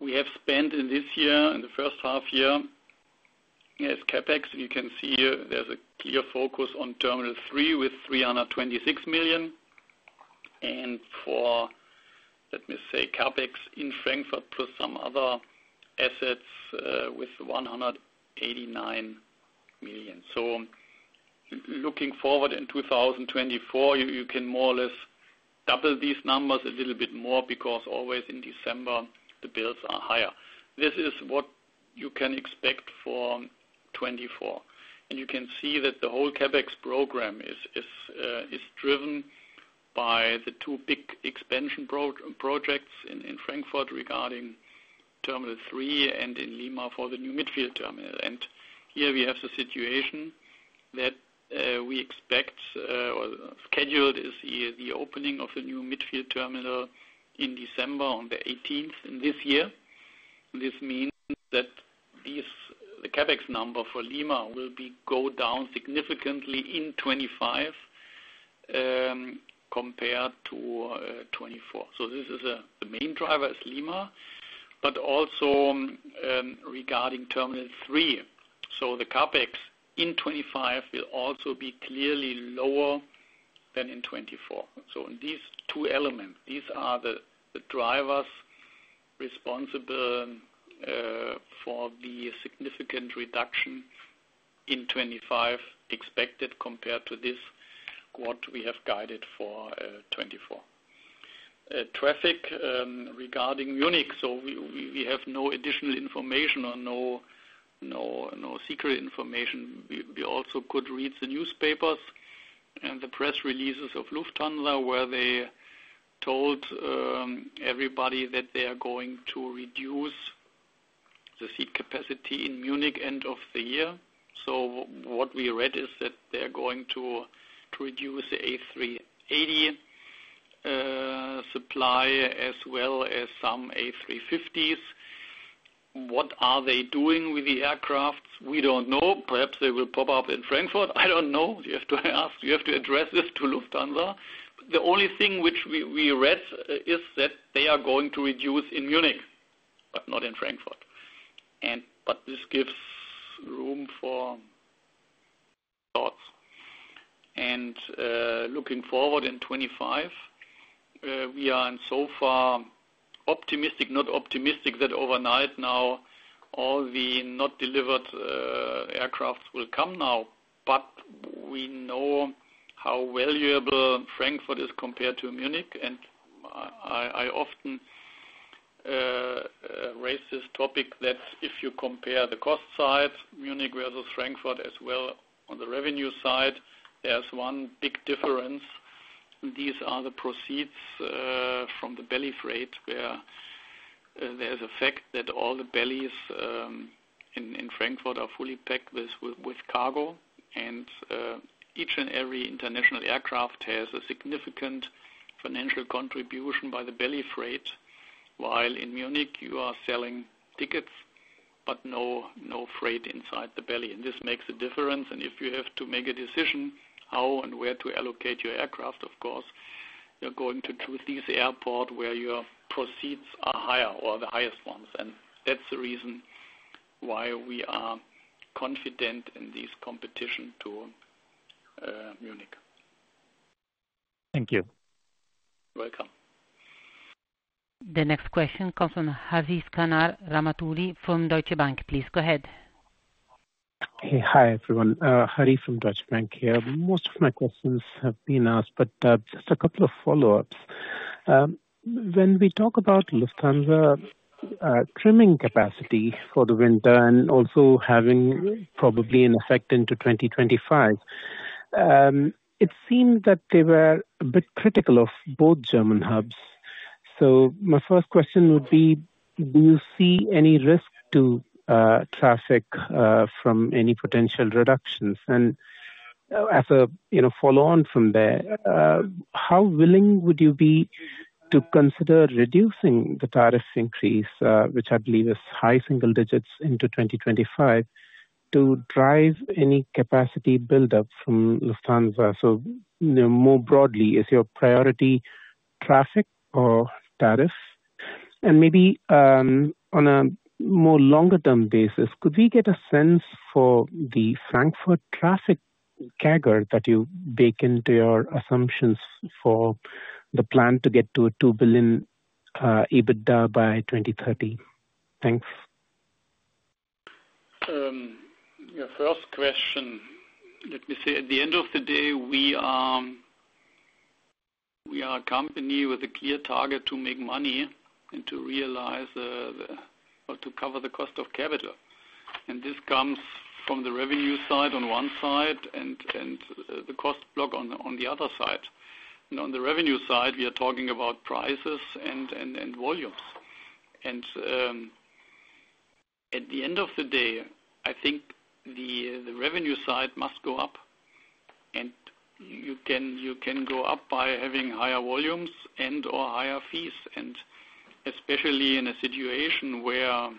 we have spent in this year, in the first half year, as CapEx. And you can see there's a clear focus on Terminal 3 with 326 million. And for, let me say, CapEx in Frankfurt plus some other assets with 189 million. So looking forward in 2024, you can more or less double these numbers a little bit more because always in December, the bills are higher. This is what you can expect for 2024. And you can see that the whole CapEx program is driven by the two big expansion projects in Frankfurt regarding Terminal 3 and in Lima for the new midfield terminal. And here we have the situation that we expect or scheduled is the opening of the new midfield terminal in December on the 18th in this year. This means that the CapEx number for Lima will go down significantly in 2025 compared to 2024. So this is the main driver is Lima. But also regarding Terminal 3, so the CapEx in 2025 will also be clearly lower than in 2024. So these two elements, these are the drivers responsible for the significant reduction in 2025 expected compared to this, what we have guided for 2024. Traffic regarding Munich. So we have no additional information or no secret information. We also could read the newspapers and the press releases of Lufthansa where they told everybody that they are going to reduce the seat capacity in Munich end of the year. So what we read is that they are going to reduce the A380 supply as well as some A350s. What are they doing with the aircraft? We don't know. Perhaps they will pop up in Frankfurt. I don't know. You have to ask. You have to address this to Lufthansa. The only thing which we read is that they are going to reduce in Munich, but not in Frankfurt. But this gives room for thoughts. And looking forward in 2025, we are so far optimistic, not optimistic that overnight now all the not delivered aircraft will come now. But we know how valuable Frankfurt is compared to Munich. And I often raise this topic that if you compare the cost side, Munich versus Frankfurt as well on the revenue side, there's one big difference. These are the proceeds from the belly freight where there's a fact that all the bellies in Frankfurt are fully packed with cargo. And each and every international aircraft has a significant financial contribution by the belly freight. While in Munich, you are selling tickets but no freight inside the belly. And this makes a difference. And if you have to make a decision how and where to allocate your aircraft, of course, you're going to choose this airport where your proceeds are higher or the highest ones. That's the reason why we are confident in this competition to Munich. Thank you. You're welcome. The next question comes from Harishankar Ramamoorthy from Deutsche Bank. Please go ahead. Hey, hi everyone. Hari from Deutsche Bank here. Most of my questions have been asked, but just a couple of follow-ups. When we talk about Lufthansa trimming capacity for the winter and also having probably an effect into 2025, it seems that they were a bit critical of both German hubs. So my first question would be, do you see any risk to traffic from any potential reductions? And as a follow-on from there, how willing would you be to consider reducing the tariff increase, which I believe is high single digits into 2025, to drive any capacity buildup from Lufthansa? So more broadly, is your priority traffic or tariff? Maybe on a more longer-term basis, could we get a sense for the Frankfurt traffic CAGR that you bake into your assumptions for the plan to get to a 2 billion EBITDA by 2030? Thanks. First question, let me say, at the end of the day, we are a company with a clear target to make money and to realize or to cover the cost of capital. This comes from the revenue side on one side and the cost block on the other side. On the revenue side, we are talking about prices and volumes. At the end of the day, I think the revenue side must go up. You can go up by having higher volumes and/or higher fees, especially in a situation where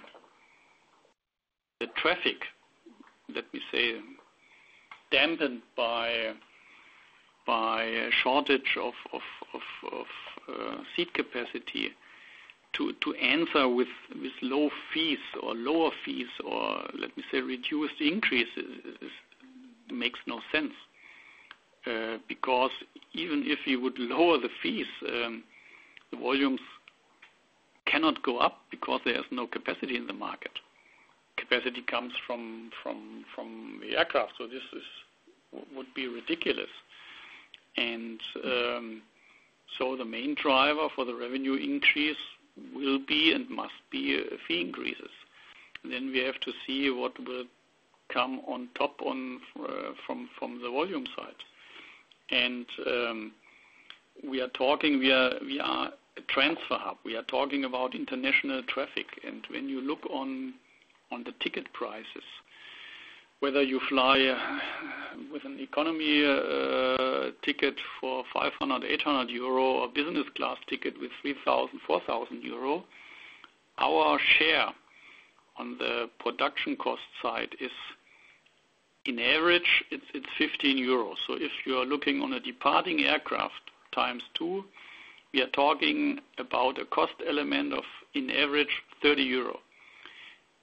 the traffic, let me say, dampened by a shortage of seat capacity to answer with low fees or lower fees or, let me say, reduced increases makes no sense. Because even if you would lower the fees, the volumes cannot go up because there is no capacity in the market. Capacity comes from the aircraft. So this would be ridiculous. And so the main driver for the revenue increase will be and must be fee increases. Then we have to see what will come on top from the volume side. And we are talking, we are a transfer hub. We are talking about international traffic. When you look on the ticket prices, whether you fly with an economy ticket for 500-800 euro or business class ticket with 3,000-4,000 euro, our share on the production cost side is, in average, it's 15 euros. So if you are looking on a departing aircraft times two, we are talking about a cost element of, in average, 30 euro.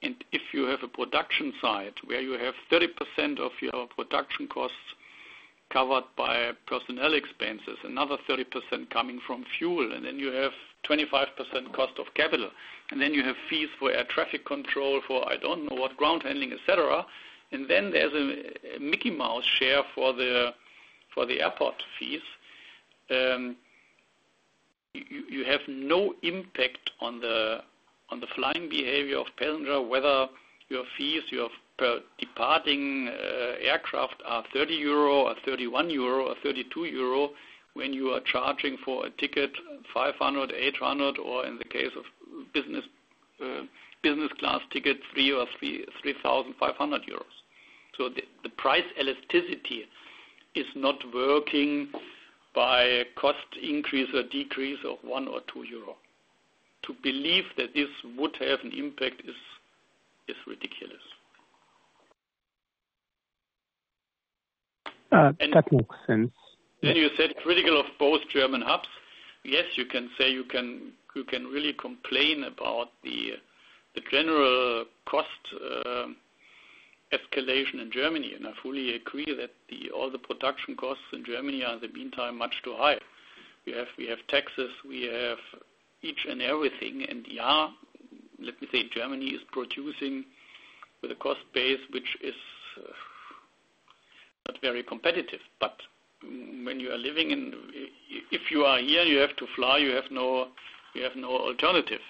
If you have a production side where you have 30% of your production costs covered by personnel expenses, another 30% coming from fuel, and then you have 25% cost of capital, and then you have fees for air traffic control for I don't know what ground handling, etc., and then there's a Mickey Mouse share for the airport fees, you have no impact on the flying behavior of passenger, whether your fees of departing aircraft are 30 euro or 31 euro or 32 euro when you are charging for a ticket 500, 800, or in the case of business class ticket, 3 or 3,500 euros. So the price elasticity is not working by cost increase or decrease of 1 or 2 euro. To believe that this would have an impact is ridiculous. That makes sense. You said critical of both German hubs. Yes, you can say you can really complain about the general cost escalation in Germany. And I fully agree that all the production costs in Germany are, in the meantime, much too high. We have taxes. We have each and everything. And let me say, Germany is producing with a cost base which is not very competitive. But when you are living in if you are here and you have to fly, you have no alternative.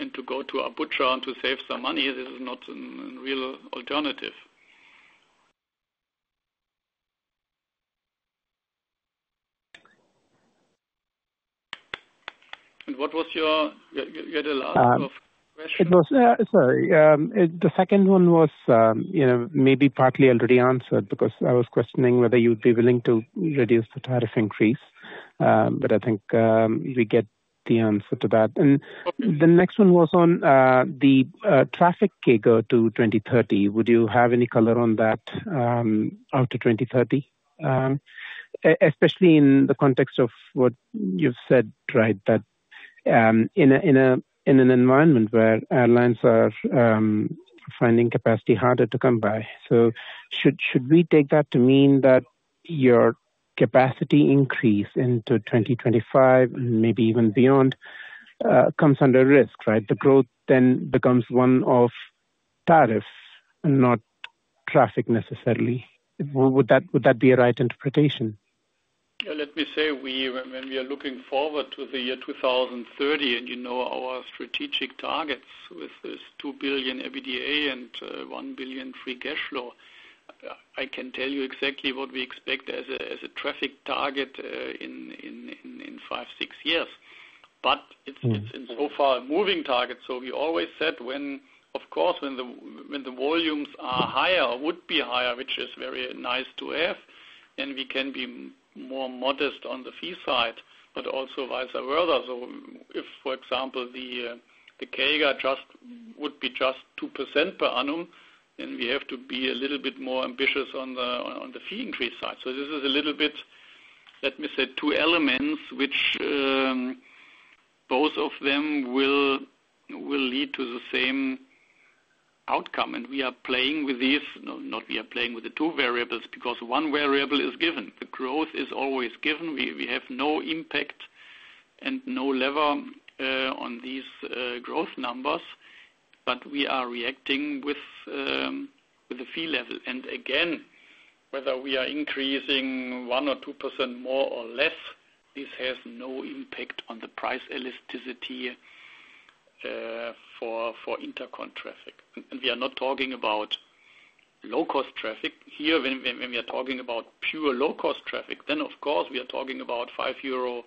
And to go to abroad and to save some money, this is not a real alternative. And what was your last question? Sorry. The second one was maybe partly already answered because I was questioning whether you'd be willing to reduce the tariff increase. But I think we get the answer to that. And the next one was on the traffic CAGR to 2030. Would you have any color on that out to 2030? Especially in the context of what you've said, right, that in an environment where airlines are finding capacity harder to come by, so should we take that to mean that your capacity increase into 2025 and maybe even beyond comes under risk, right? The growth then becomes one of tariff and not traffic necessarily. Would that be a right interpretation? Let me say, when we are looking forward to the year 2030 and you know our strategic targets with this 2 billion EBITDA and 1 billion free cash flow, I can tell you exactly what we expect as a traffic target in five, six years. But it's in so far a moving target. So we always said when, of course, when the volumes are higher, would be higher, which is very nice to have, then we can be more modest on the fee side, but also vice versa. So if, for example, the CAGR would be just 2% per annum, then we have to be a little bit more ambitious on the fee increase side. So this is a little bit, let me say, two elements which both of them will lead to the same outcome. And we are playing with these not we are playing with the two variables because one variable is given. The growth is always given. We have no impact and no lever on these growth numbers, but we are reacting with the fee level. And again, whether we are increasing 1% or 2% more or less, this has no impact on the price elasticity for intercon traffic. And we are not talking about low-cost traffic. Here, when we are talking about pure low-cost traffic, then of course, we are talking about 5 euro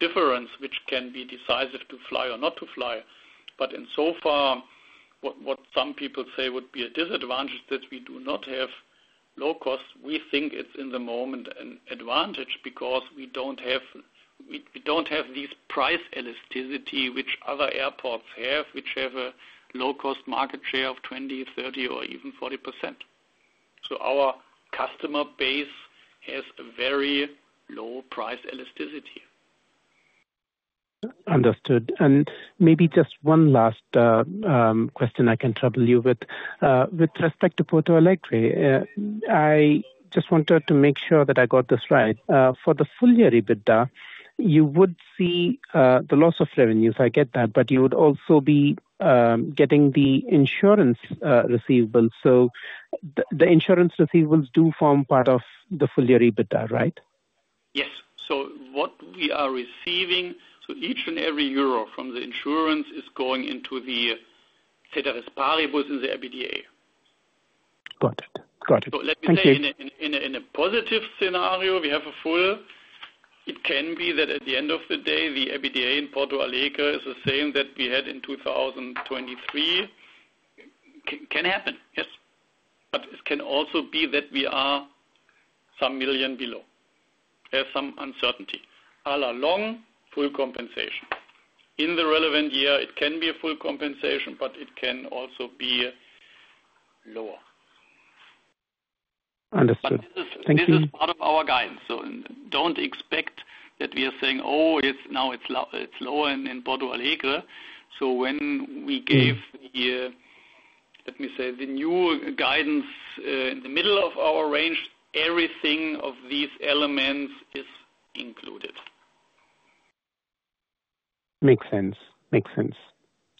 difference, which can be decisive to fly or not to fly. But in so far, what some people say would be a disadvantage is that we do not have low cost. We think it's in the moment an advantage because we don't have these price elasticity which other airports have, which have a low-cost market share of 20%, 30%, or even 40%. So our customer base has a very low price elasticity. Understood. And maybe just one last question I can trouble you with. With respect to Porto Alegre, I just wanted to make sure that I got this right. For the full year EBITDA, you would see the loss of revenues. I get that. But you would also be getting the insurance receivables. So the insurance receivables do form part of the full year EBITDA, right? Yes. So what we are receiving, so each and every euro from the insurance is going into the ceteris paribus in the EBITDA. Got it. Got it. Thank you. So let me say, in a positive scenario, we have a full. It can be that at the end of the day, the EBITDA in Porto Alegre is the same that we had in 2023. Can happen, yes. But it can also be that we are some million euro. There's some uncertainty. All along, full compensation. In the relevant year, it can be a full compensation, but it can also be lower. Understood. Thank you. This is part of our guidance. So don't expect that we are saying, "Oh, now it's lower in Porto Alegre." So when we gave the, let me say, the new guidance in the middle of our range, everything of these elements is included. Makes sense. Makes sense.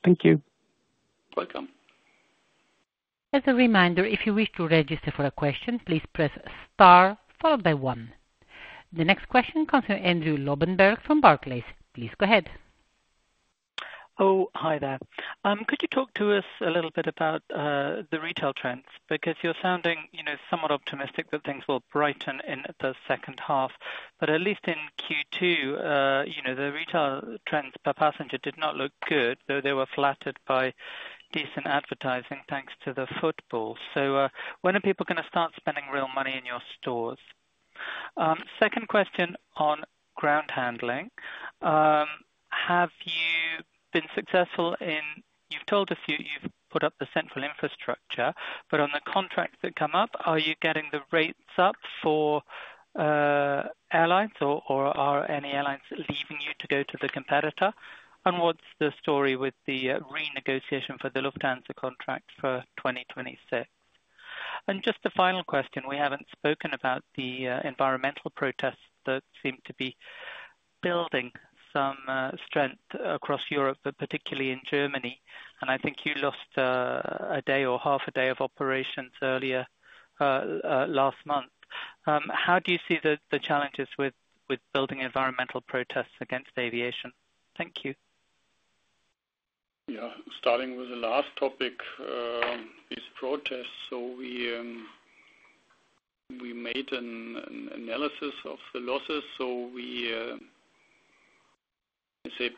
Thank you. You're welcome. As a reminder, if you wish to register for a question, please press star followed by one. The next question comes from Andrew Lobbenberg from Barclays. Please go ahead. Oh, hi there. Could you talk to us a little bit about the retail trends? Because you're sounding somewhat optimistic that things will brighten in the second half. But at least in Q2, the retail trends per passenger did not look good, though they were flattered by decent advertising thanks to the football. So when are people going to start spending real money in your stores? Second question on ground handling. Have you been successful in you've told us you've put up the central infrastructure, but on the contracts that come up, are you getting the rates up for airlines, or are any airlines leaving you to go to the competitor? And what's the story with the renegotiation for the Lufthansa contract for 2026? And just the final question. We haven't spoken about the environmental protests that seem to be building some strength across Europe, but particularly in Germany. And I think you lost a day or half a day of operations earlier last month. How do you see the challenges with building environmental protests against aviation? Thank you. Yeah. Starting with the last topic, these protests. So we made an analysis of the losses. So we said,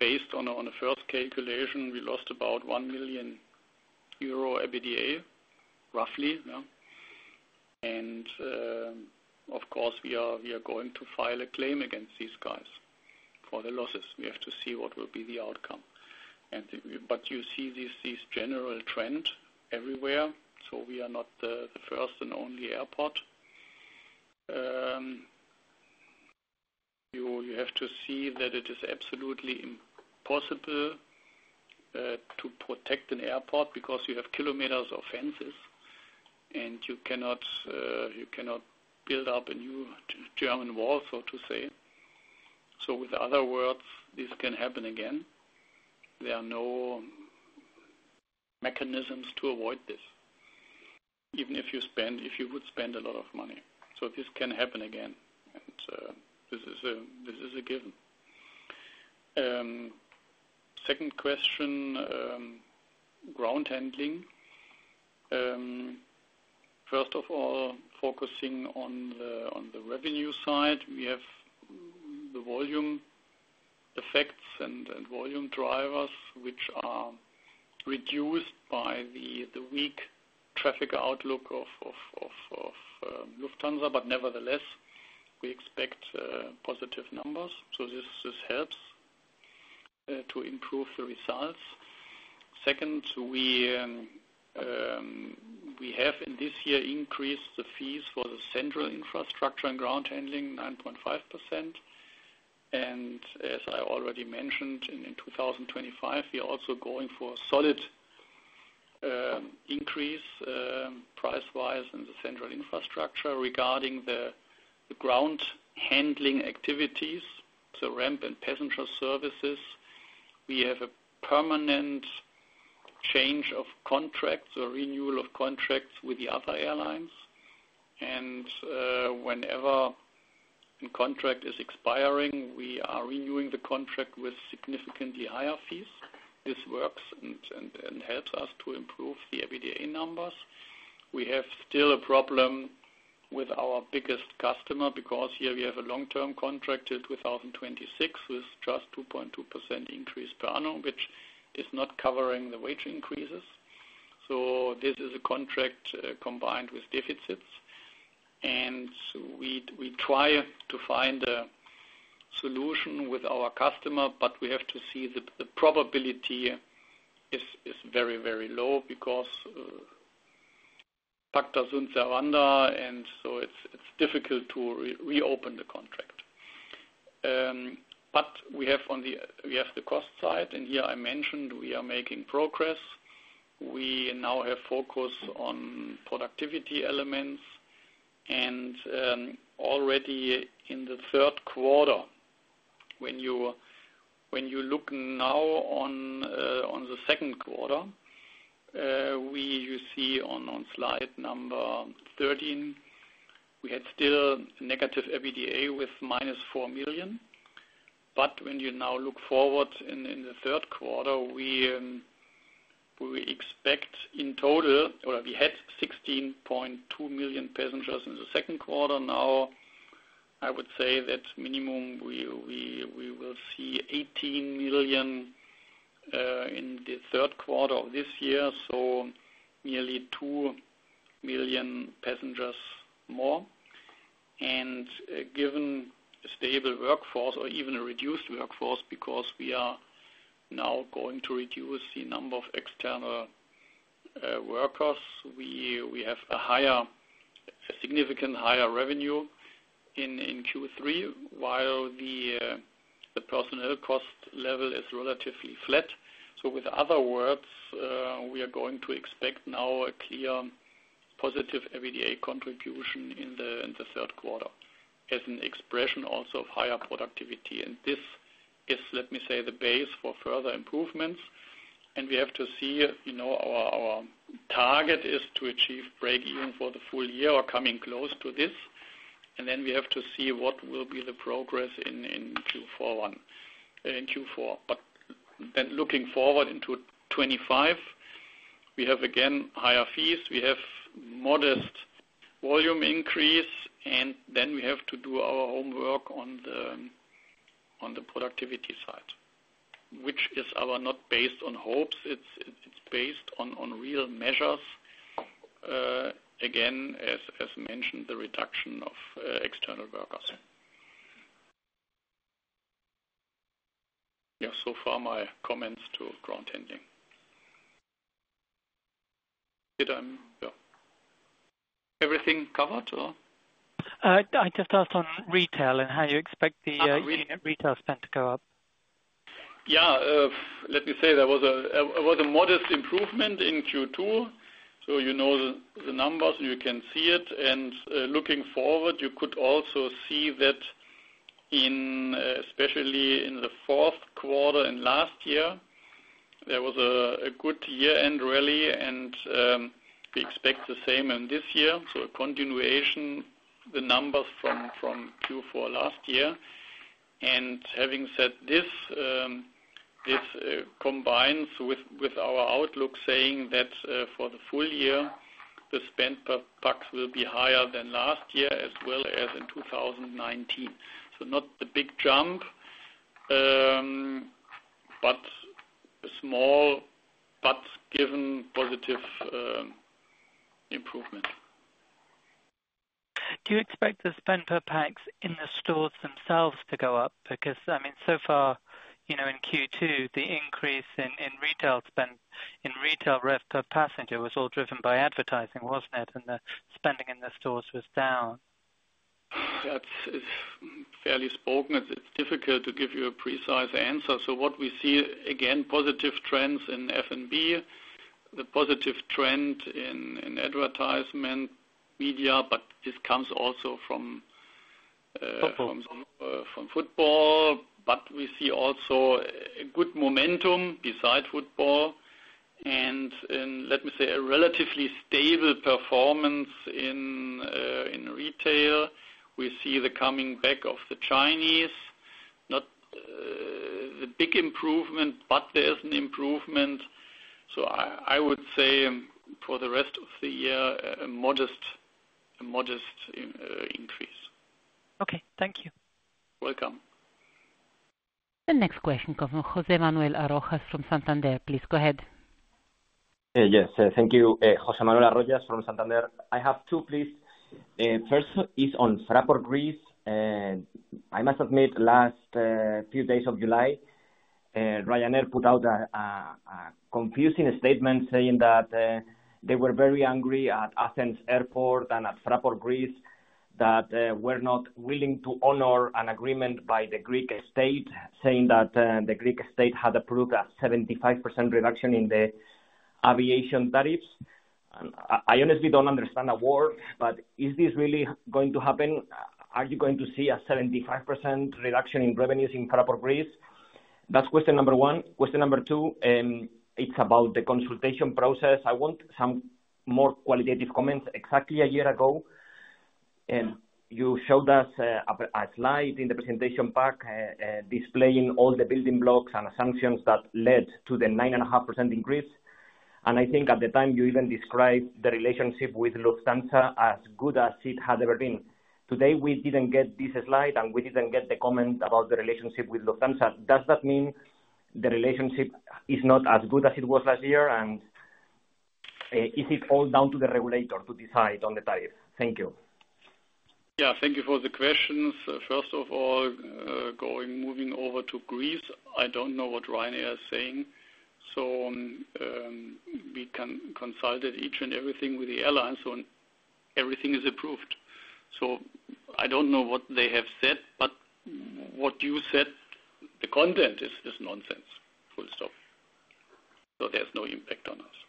based on the first calculation, we lost about 1 million euro EBITDA, roughly. Of course, we are going to file a claim against these guys for the losses. We have to see what will be the outcome. You see this general trend everywhere. We are not the first and only airport. You have to see that it is absolutely impossible to protect an airport because you have kilometers of fences, and you cannot build up a new German wall, so to say. With other words, this can happen again. There are no mechanisms to avoid this, even if you would spend a lot of money. This can happen again. This is a given. Second question, ground handling. First of all, focusing on the revenue side, we have the volume effects and volume drivers, which are reduced by the weak traffic outlook of Lufthansa. Nevertheless, we expect positive numbers. This helps to improve the results. Second, we have, in this year, increased the fees for the central infrastructure and ground handling, 9.5%. As I already mentioned, in 2025, we are also going for a solid increase price-wise in the central infrastructure. Regarding the ground handling activities, so ramp and passenger services, we have a permanent change of contracts or renewal of contracts with the other airlines. Whenever a contract is expiring, we are renewing the contract with significantly higher fees. This works and helps us to improve the EBITDA numbers. We have still a problem with our biggest customer because here we have a long-term contract till 2026 with just 2.2% increase per annum, which is not covering the wage increases. This is a contract combined with deficits. We try to find a solution with our customer, but we have to see the probability is very, very low because pacta sunt servanda, and so it's difficult to reopen the contract. We have the cost side. Here I mentioned we are making progress. We now have focus on productivity elements. Already in the third quarter, when you look now on the second quarter, you see on slide number 13, we had still negative EBITDA with -4 million. When you now look forward in the third quarter, we expect in total or we had 16.2 million passengers in the second quarter. Now, I would say that minimum we will see 18 million in the third quarter of this year, so nearly 2 million passengers more. Given a stable workforce or even a reduced workforce because we are now going to reduce the number of external workers, we have a significant higher revenue in Q3, while the personnel cost level is relatively flat. So in other words, we are going to expect now a clear positive EBITDA contribution in the third quarter as an expression also of higher productivity. And this is, let me say, the base for further improvements. And we have to see our target is to achieve break-even for the full year or coming close to this. And then we have to see what will be the progress in Q4. But then looking forward into 2025, we have again higher fees. We have modest volume increase. And then we have to do our homework on the productivity side, which is not based on hopes. It's based on real measures. Again, as mentioned, the reduction of external workers. Yeah. So far, my comments to ground handling. Did I? Yeah. Everything covered or? I just asked on retail and how you expect the retail spend to go up. Yeah. Let me say there was a modest improvement in Q2. So you know the numbers, you can see it. And looking forward, you could also see that especially in the fourth quarter and last year, there was a good year-end rally, and we expect the same in this year. So a continuation, the numbers from Q4 last year. And having said this, this combines with our outlook saying that for the full year, the spend per pax will be higher than last year as well as in 2019. So not a big jump, but small, but given positive improvement. Do you expect the spend per pax in the stores themselves to go up? Because, I mean, so far in Q2, the increase in retail spend, in retail rev per passenger was all driven by advertising, wasn't it? And the spending in the stores was down. That's fair to say. It's difficult to give you a precise answer. So what we see, again, positive trends in F&B, the positive trend in advertisement media, but this comes also from football. But we see also good momentum besides football. And let me say a relatively stable performance in retail. We see the coming back of the Chinese, not the big improvement, but there's an improvement. So I would say for the rest of the year, a modest increase. Okay. Thank you. Welcome. The next question comes from José Manuel Arroyas from Santander. Please go ahead. Yes. Thank you, José Manuel Arroyas from Santander. I have two, please. First is on Fraport Greece. I must admit, last few days of July, Ryanair put out a confusing statement saying that they were very angry at Athens Airport and at Fraport Greece that were not willing to honor an agreement by the Greek state, saying that the Greek state had approved a 75% reduction in the aviation tariffs. I honestly don't understand a word, but is this really going to happen? Are you going to see a 75% reduction in revenues in Fraport Greece? That's question number one. Question number two, it's about the consultation process. I want some more qualitative comments. Exactly a year ago, you showed us a slide in the presentation pack displaying all the building blocks and sanctions that led to the 9.5% increase. I think at the time you even described the relationship with Lufthansa as good as it had ever been. Today, we didn't get this slide, and we didn't get the comment about the relationship with Lufthansa. Does that mean the relationship is not as good as it was last year? And is it all down to the regulator to decide on the tariff? Thank you. Yeah. Thank you for the questions. First of all, moving over to Greece, I don't know what Ryanair is saying. So we consulted each and everything with the airline, so everything is approved. So I don't know what they have said, but what you said, the content is nonsense. Full stop. So there's no impact on us.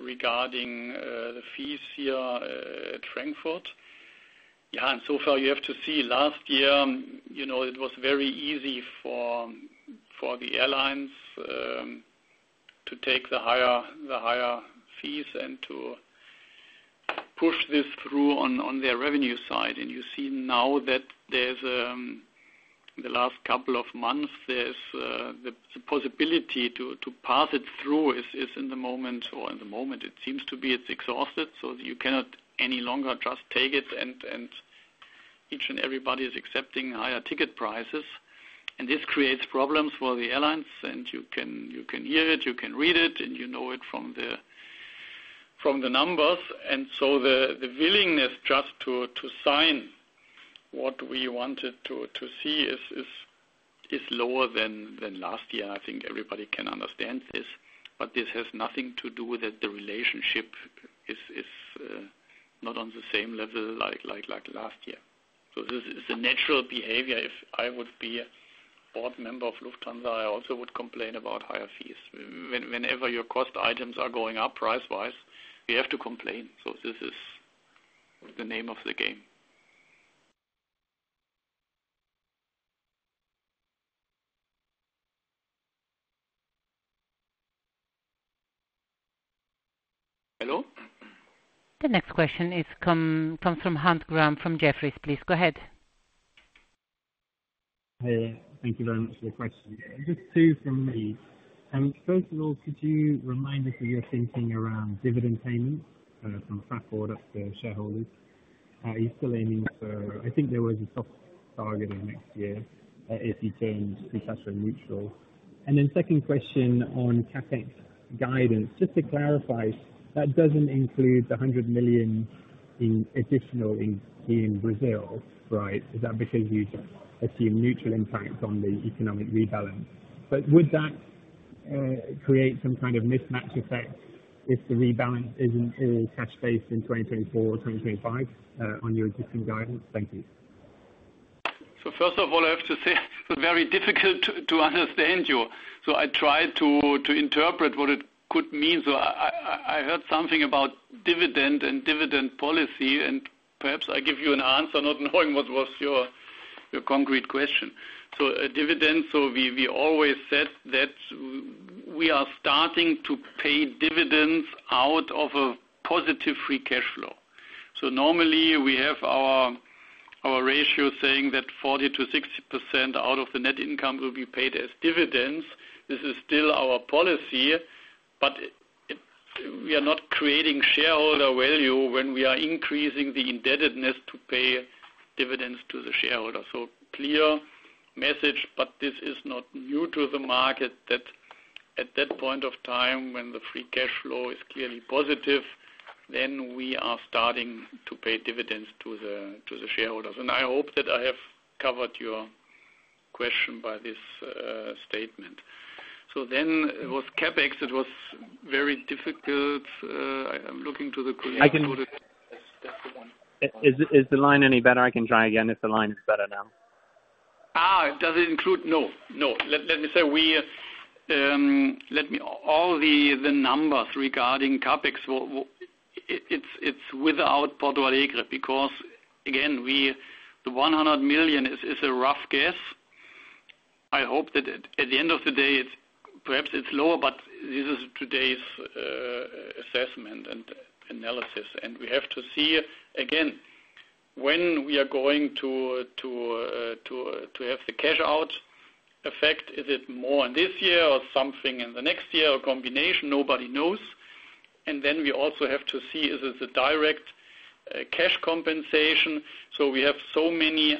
Regarding the fees here at Frankfurt, yeah, and so far you have to see last year, it was very easy for the airlines to take the higher fees and to push this through on their revenue side. And you see now that there's in the last couple of months, there's the possibility to pass it through is in the moment, or in the moment, it seems to be it's exhausted. So you cannot any longer just take it, and each and everybody is accepting higher ticket prices. And this creates problems for the airlines, and you can hear it, you can read it, and you know it from the numbers. And so the willingness just to sign what we wanted to see is lower than last year. I think everybody can understand this, but this has nothing to do with the relationship is not on the same level like last year. So this is a natural behavior. If I would be a board member of Lufthansa, I also would complain about higher fees. Whenever your cost items are going up price-wise, you have to complain. So this is the name of the game. Hello? The next question comes from Graham Hunt from Jefferies, please. Go ahead. Thank you very much for the question. Just two from me. First of all, could you remind us of your thinking around dividend payments from Fraport up to shareholders? Are you still aiming for I think there was a soft target in next year if you turned net debt multiple. And then second question on CapEx guidance. Just to clarify, that doesn't include the 100 million in additional in Brazil, right? Is that because you just assume mutual impact on the economic rebalance? But would that create some kind of mismatch effect if the rebalance isn't all cash-based in 2024 or 2025 on your existing guidance? Thank you. So first of all, I have to say it's very difficult to understand you. So I tried to interpret what it could mean. So I heard something about dividend and dividend policy, and perhaps I give you an answer not knowing what was your concrete question. So dividend, so we always said that we are starting to pay dividends out of a positive free cash flow. So normally, we have our ratio saying that 40%-60% out of the net income will be paid as dividends. This is still our policy, but we are not creating shareholder value when we are increasing the indebtedness to pay dividends to the shareholders. So, clear message, but this is not new to the market that at that point of time when the free cash flow is clearly positive, then we are starting to pay dividends to the shareholders. And I hope that I have covered your question by this statement. So then it was CapEx, it was very difficult. I'm looking to the colleagues who—I can—that's the one. Is the line any better? I can try again if the line is better now. Does it include? No. No. Let me say all the numbers regarding CapEx, it's without Porto Alegre because, again, the 100 million is a rough guess. I hope that at the end of the day, perhaps it's lower, but this is today's assessment and analysis. And we have to see, again, when we are going to have the cash-out effect, is it more in this year or something in the next year or combination? Nobody knows. And then we also have to see is it a direct cash compensation. So we have so many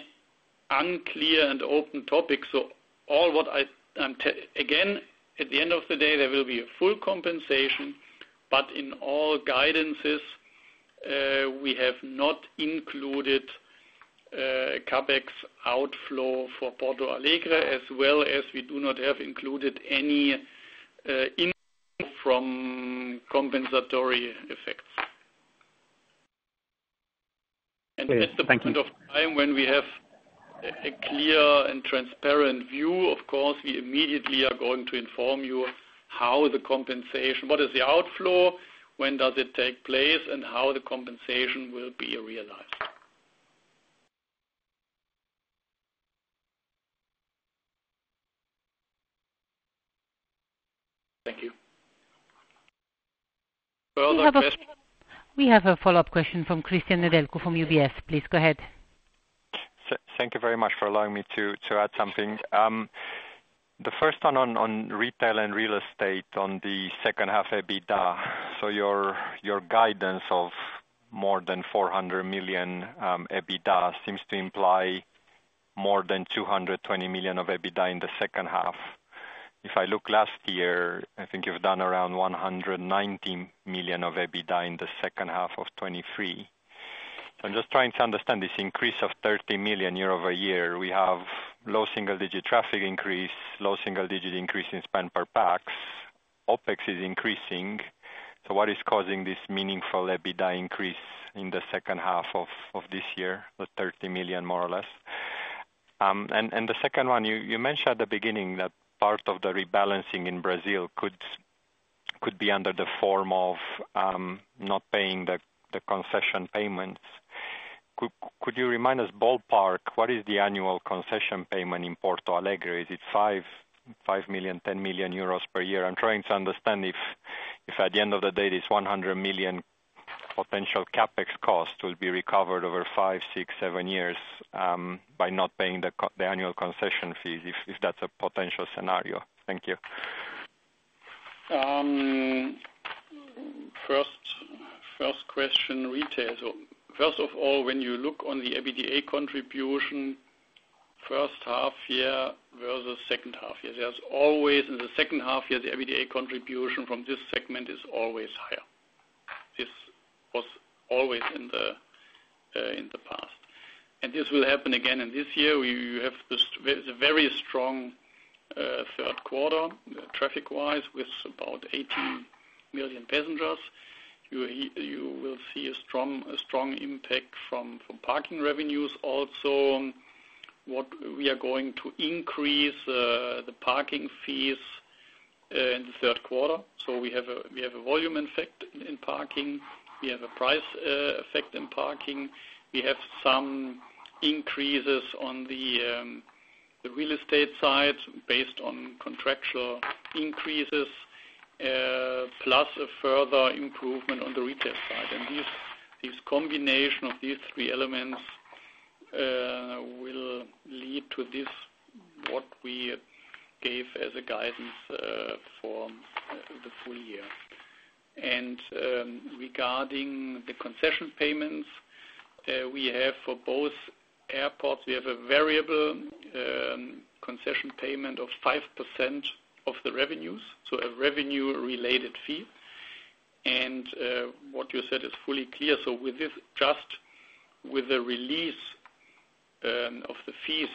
unclear and open topics. So all what I—again, at the end of the day, there will be a full compensation, but in all guidances, we have not included CapEx outflow for Porto Alegre, as well as we do not have included any compensatory effects. And at the point of time when we have a clear and transparent view, of course, we immediately are going to inform you how the compensation—what is the outflow, when does it take place, and how the compensation will be realized. Thank you. Further questions? We have a follow-up question from Cristian Nedelcu from UBS. Please go ahead. Thank you very much for allowing me to add something. The first one on retail and real estate on the second half EBITDA. So your guidance of more than 400 million EBITDA seems to imply more than 220 million of EBITDA in the second half. If I look last year, I think you've done around 190 million of EBITDA in the second half of 2023. So I'm just trying to understand this increase of 30 million a year. We have low single-digit traffic increase, low single-digit increase in spend per pax. OpEx is increasing. So what is causing this meaningful EBITDA increase in the second half of this year, the 30 million more or less? And the second one, you mentioned at the beginning that part of the rebalancing in Brazil could be under the form of not paying the concession payments. Could you remind us ballpark, what is the annual concession payment in Porto Alegre? Is it 5 million, 10 million euros per year? I'm trying to understand if at the end of the day, this 100 million potential CapEx cost will be recovered over five, six, seven years by not paying the annual concession fees if that's a potential scenario. Thank you. First question, retail. So first of all, when you look on the EBITDA contribution, first half year versus second half year, there's always in the second half year, the EBITDA contribution from this segment is always higher. This was always in the past. And this will happen again in this year. We have a very strong third quarter traffic-wise with about 18 million passengers. You will see a strong impact from parking revenues. Also, we are going to increase the parking fees in the third quarter. So we have a volume effect in parking. We have a price effect in parking. We have some increases on the real estate side based on contractual increases, plus a further improvement on the retail side. And this combination of these three elements will lead to this, what we gave as a guidance for the full year. And regarding the concession payments, we have for both airports, we have a variable concession payment of 5% of the revenues, so a revenue-related fee. And what you said is fully clear. So with this, just with the release of the fees,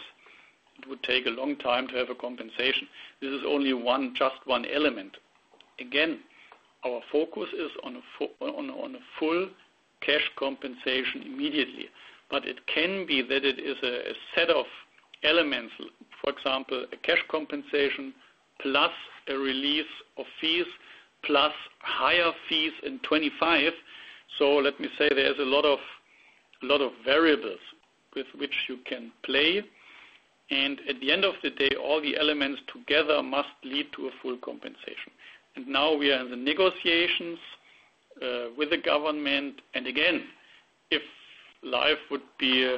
it would take a long time to have a compensation. This is only just one element. Again, our focus is on a full cash compensation immediately, but it can be that it is a set of elements, for example, a cash compensation plus a release of fees plus higher fees in 2025. So let me say there's a lot of variables with which you can play. And at the end of the day, all the elements together must lead to a full compensation. And now we are in the negotiations with the government. And again, if life would be,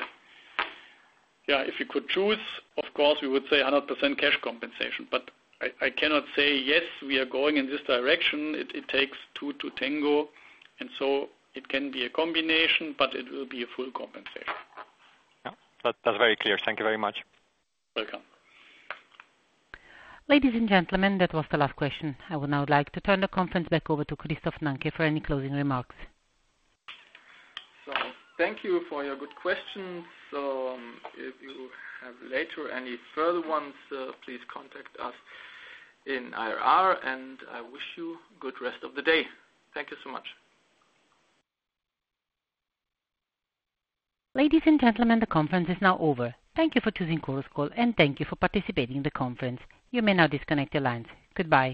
yeah, if you could choose, of course, we would say 100% cash compensation. But I cannot say, "Yes, we are going in this direction. It takes two to tango." And so it can be a combination, but it will be a full compensation. Yeah. That's very clear. Thank you very much. Welcome. Ladies and gentlemen, that was the last question. I would now like to turn the conference back over to Christoph Nanke for any closing remarks. So thank you for your good questions. So if you have later any further ones, please contact us in IR, and I wish you a good rest of the day. Thank you so much. Ladies and gentlemen, the conference is now over. Thank you for choosing Chorus Call, and thank you for participating in the conference. You may now disconnect your lines. Goodbye.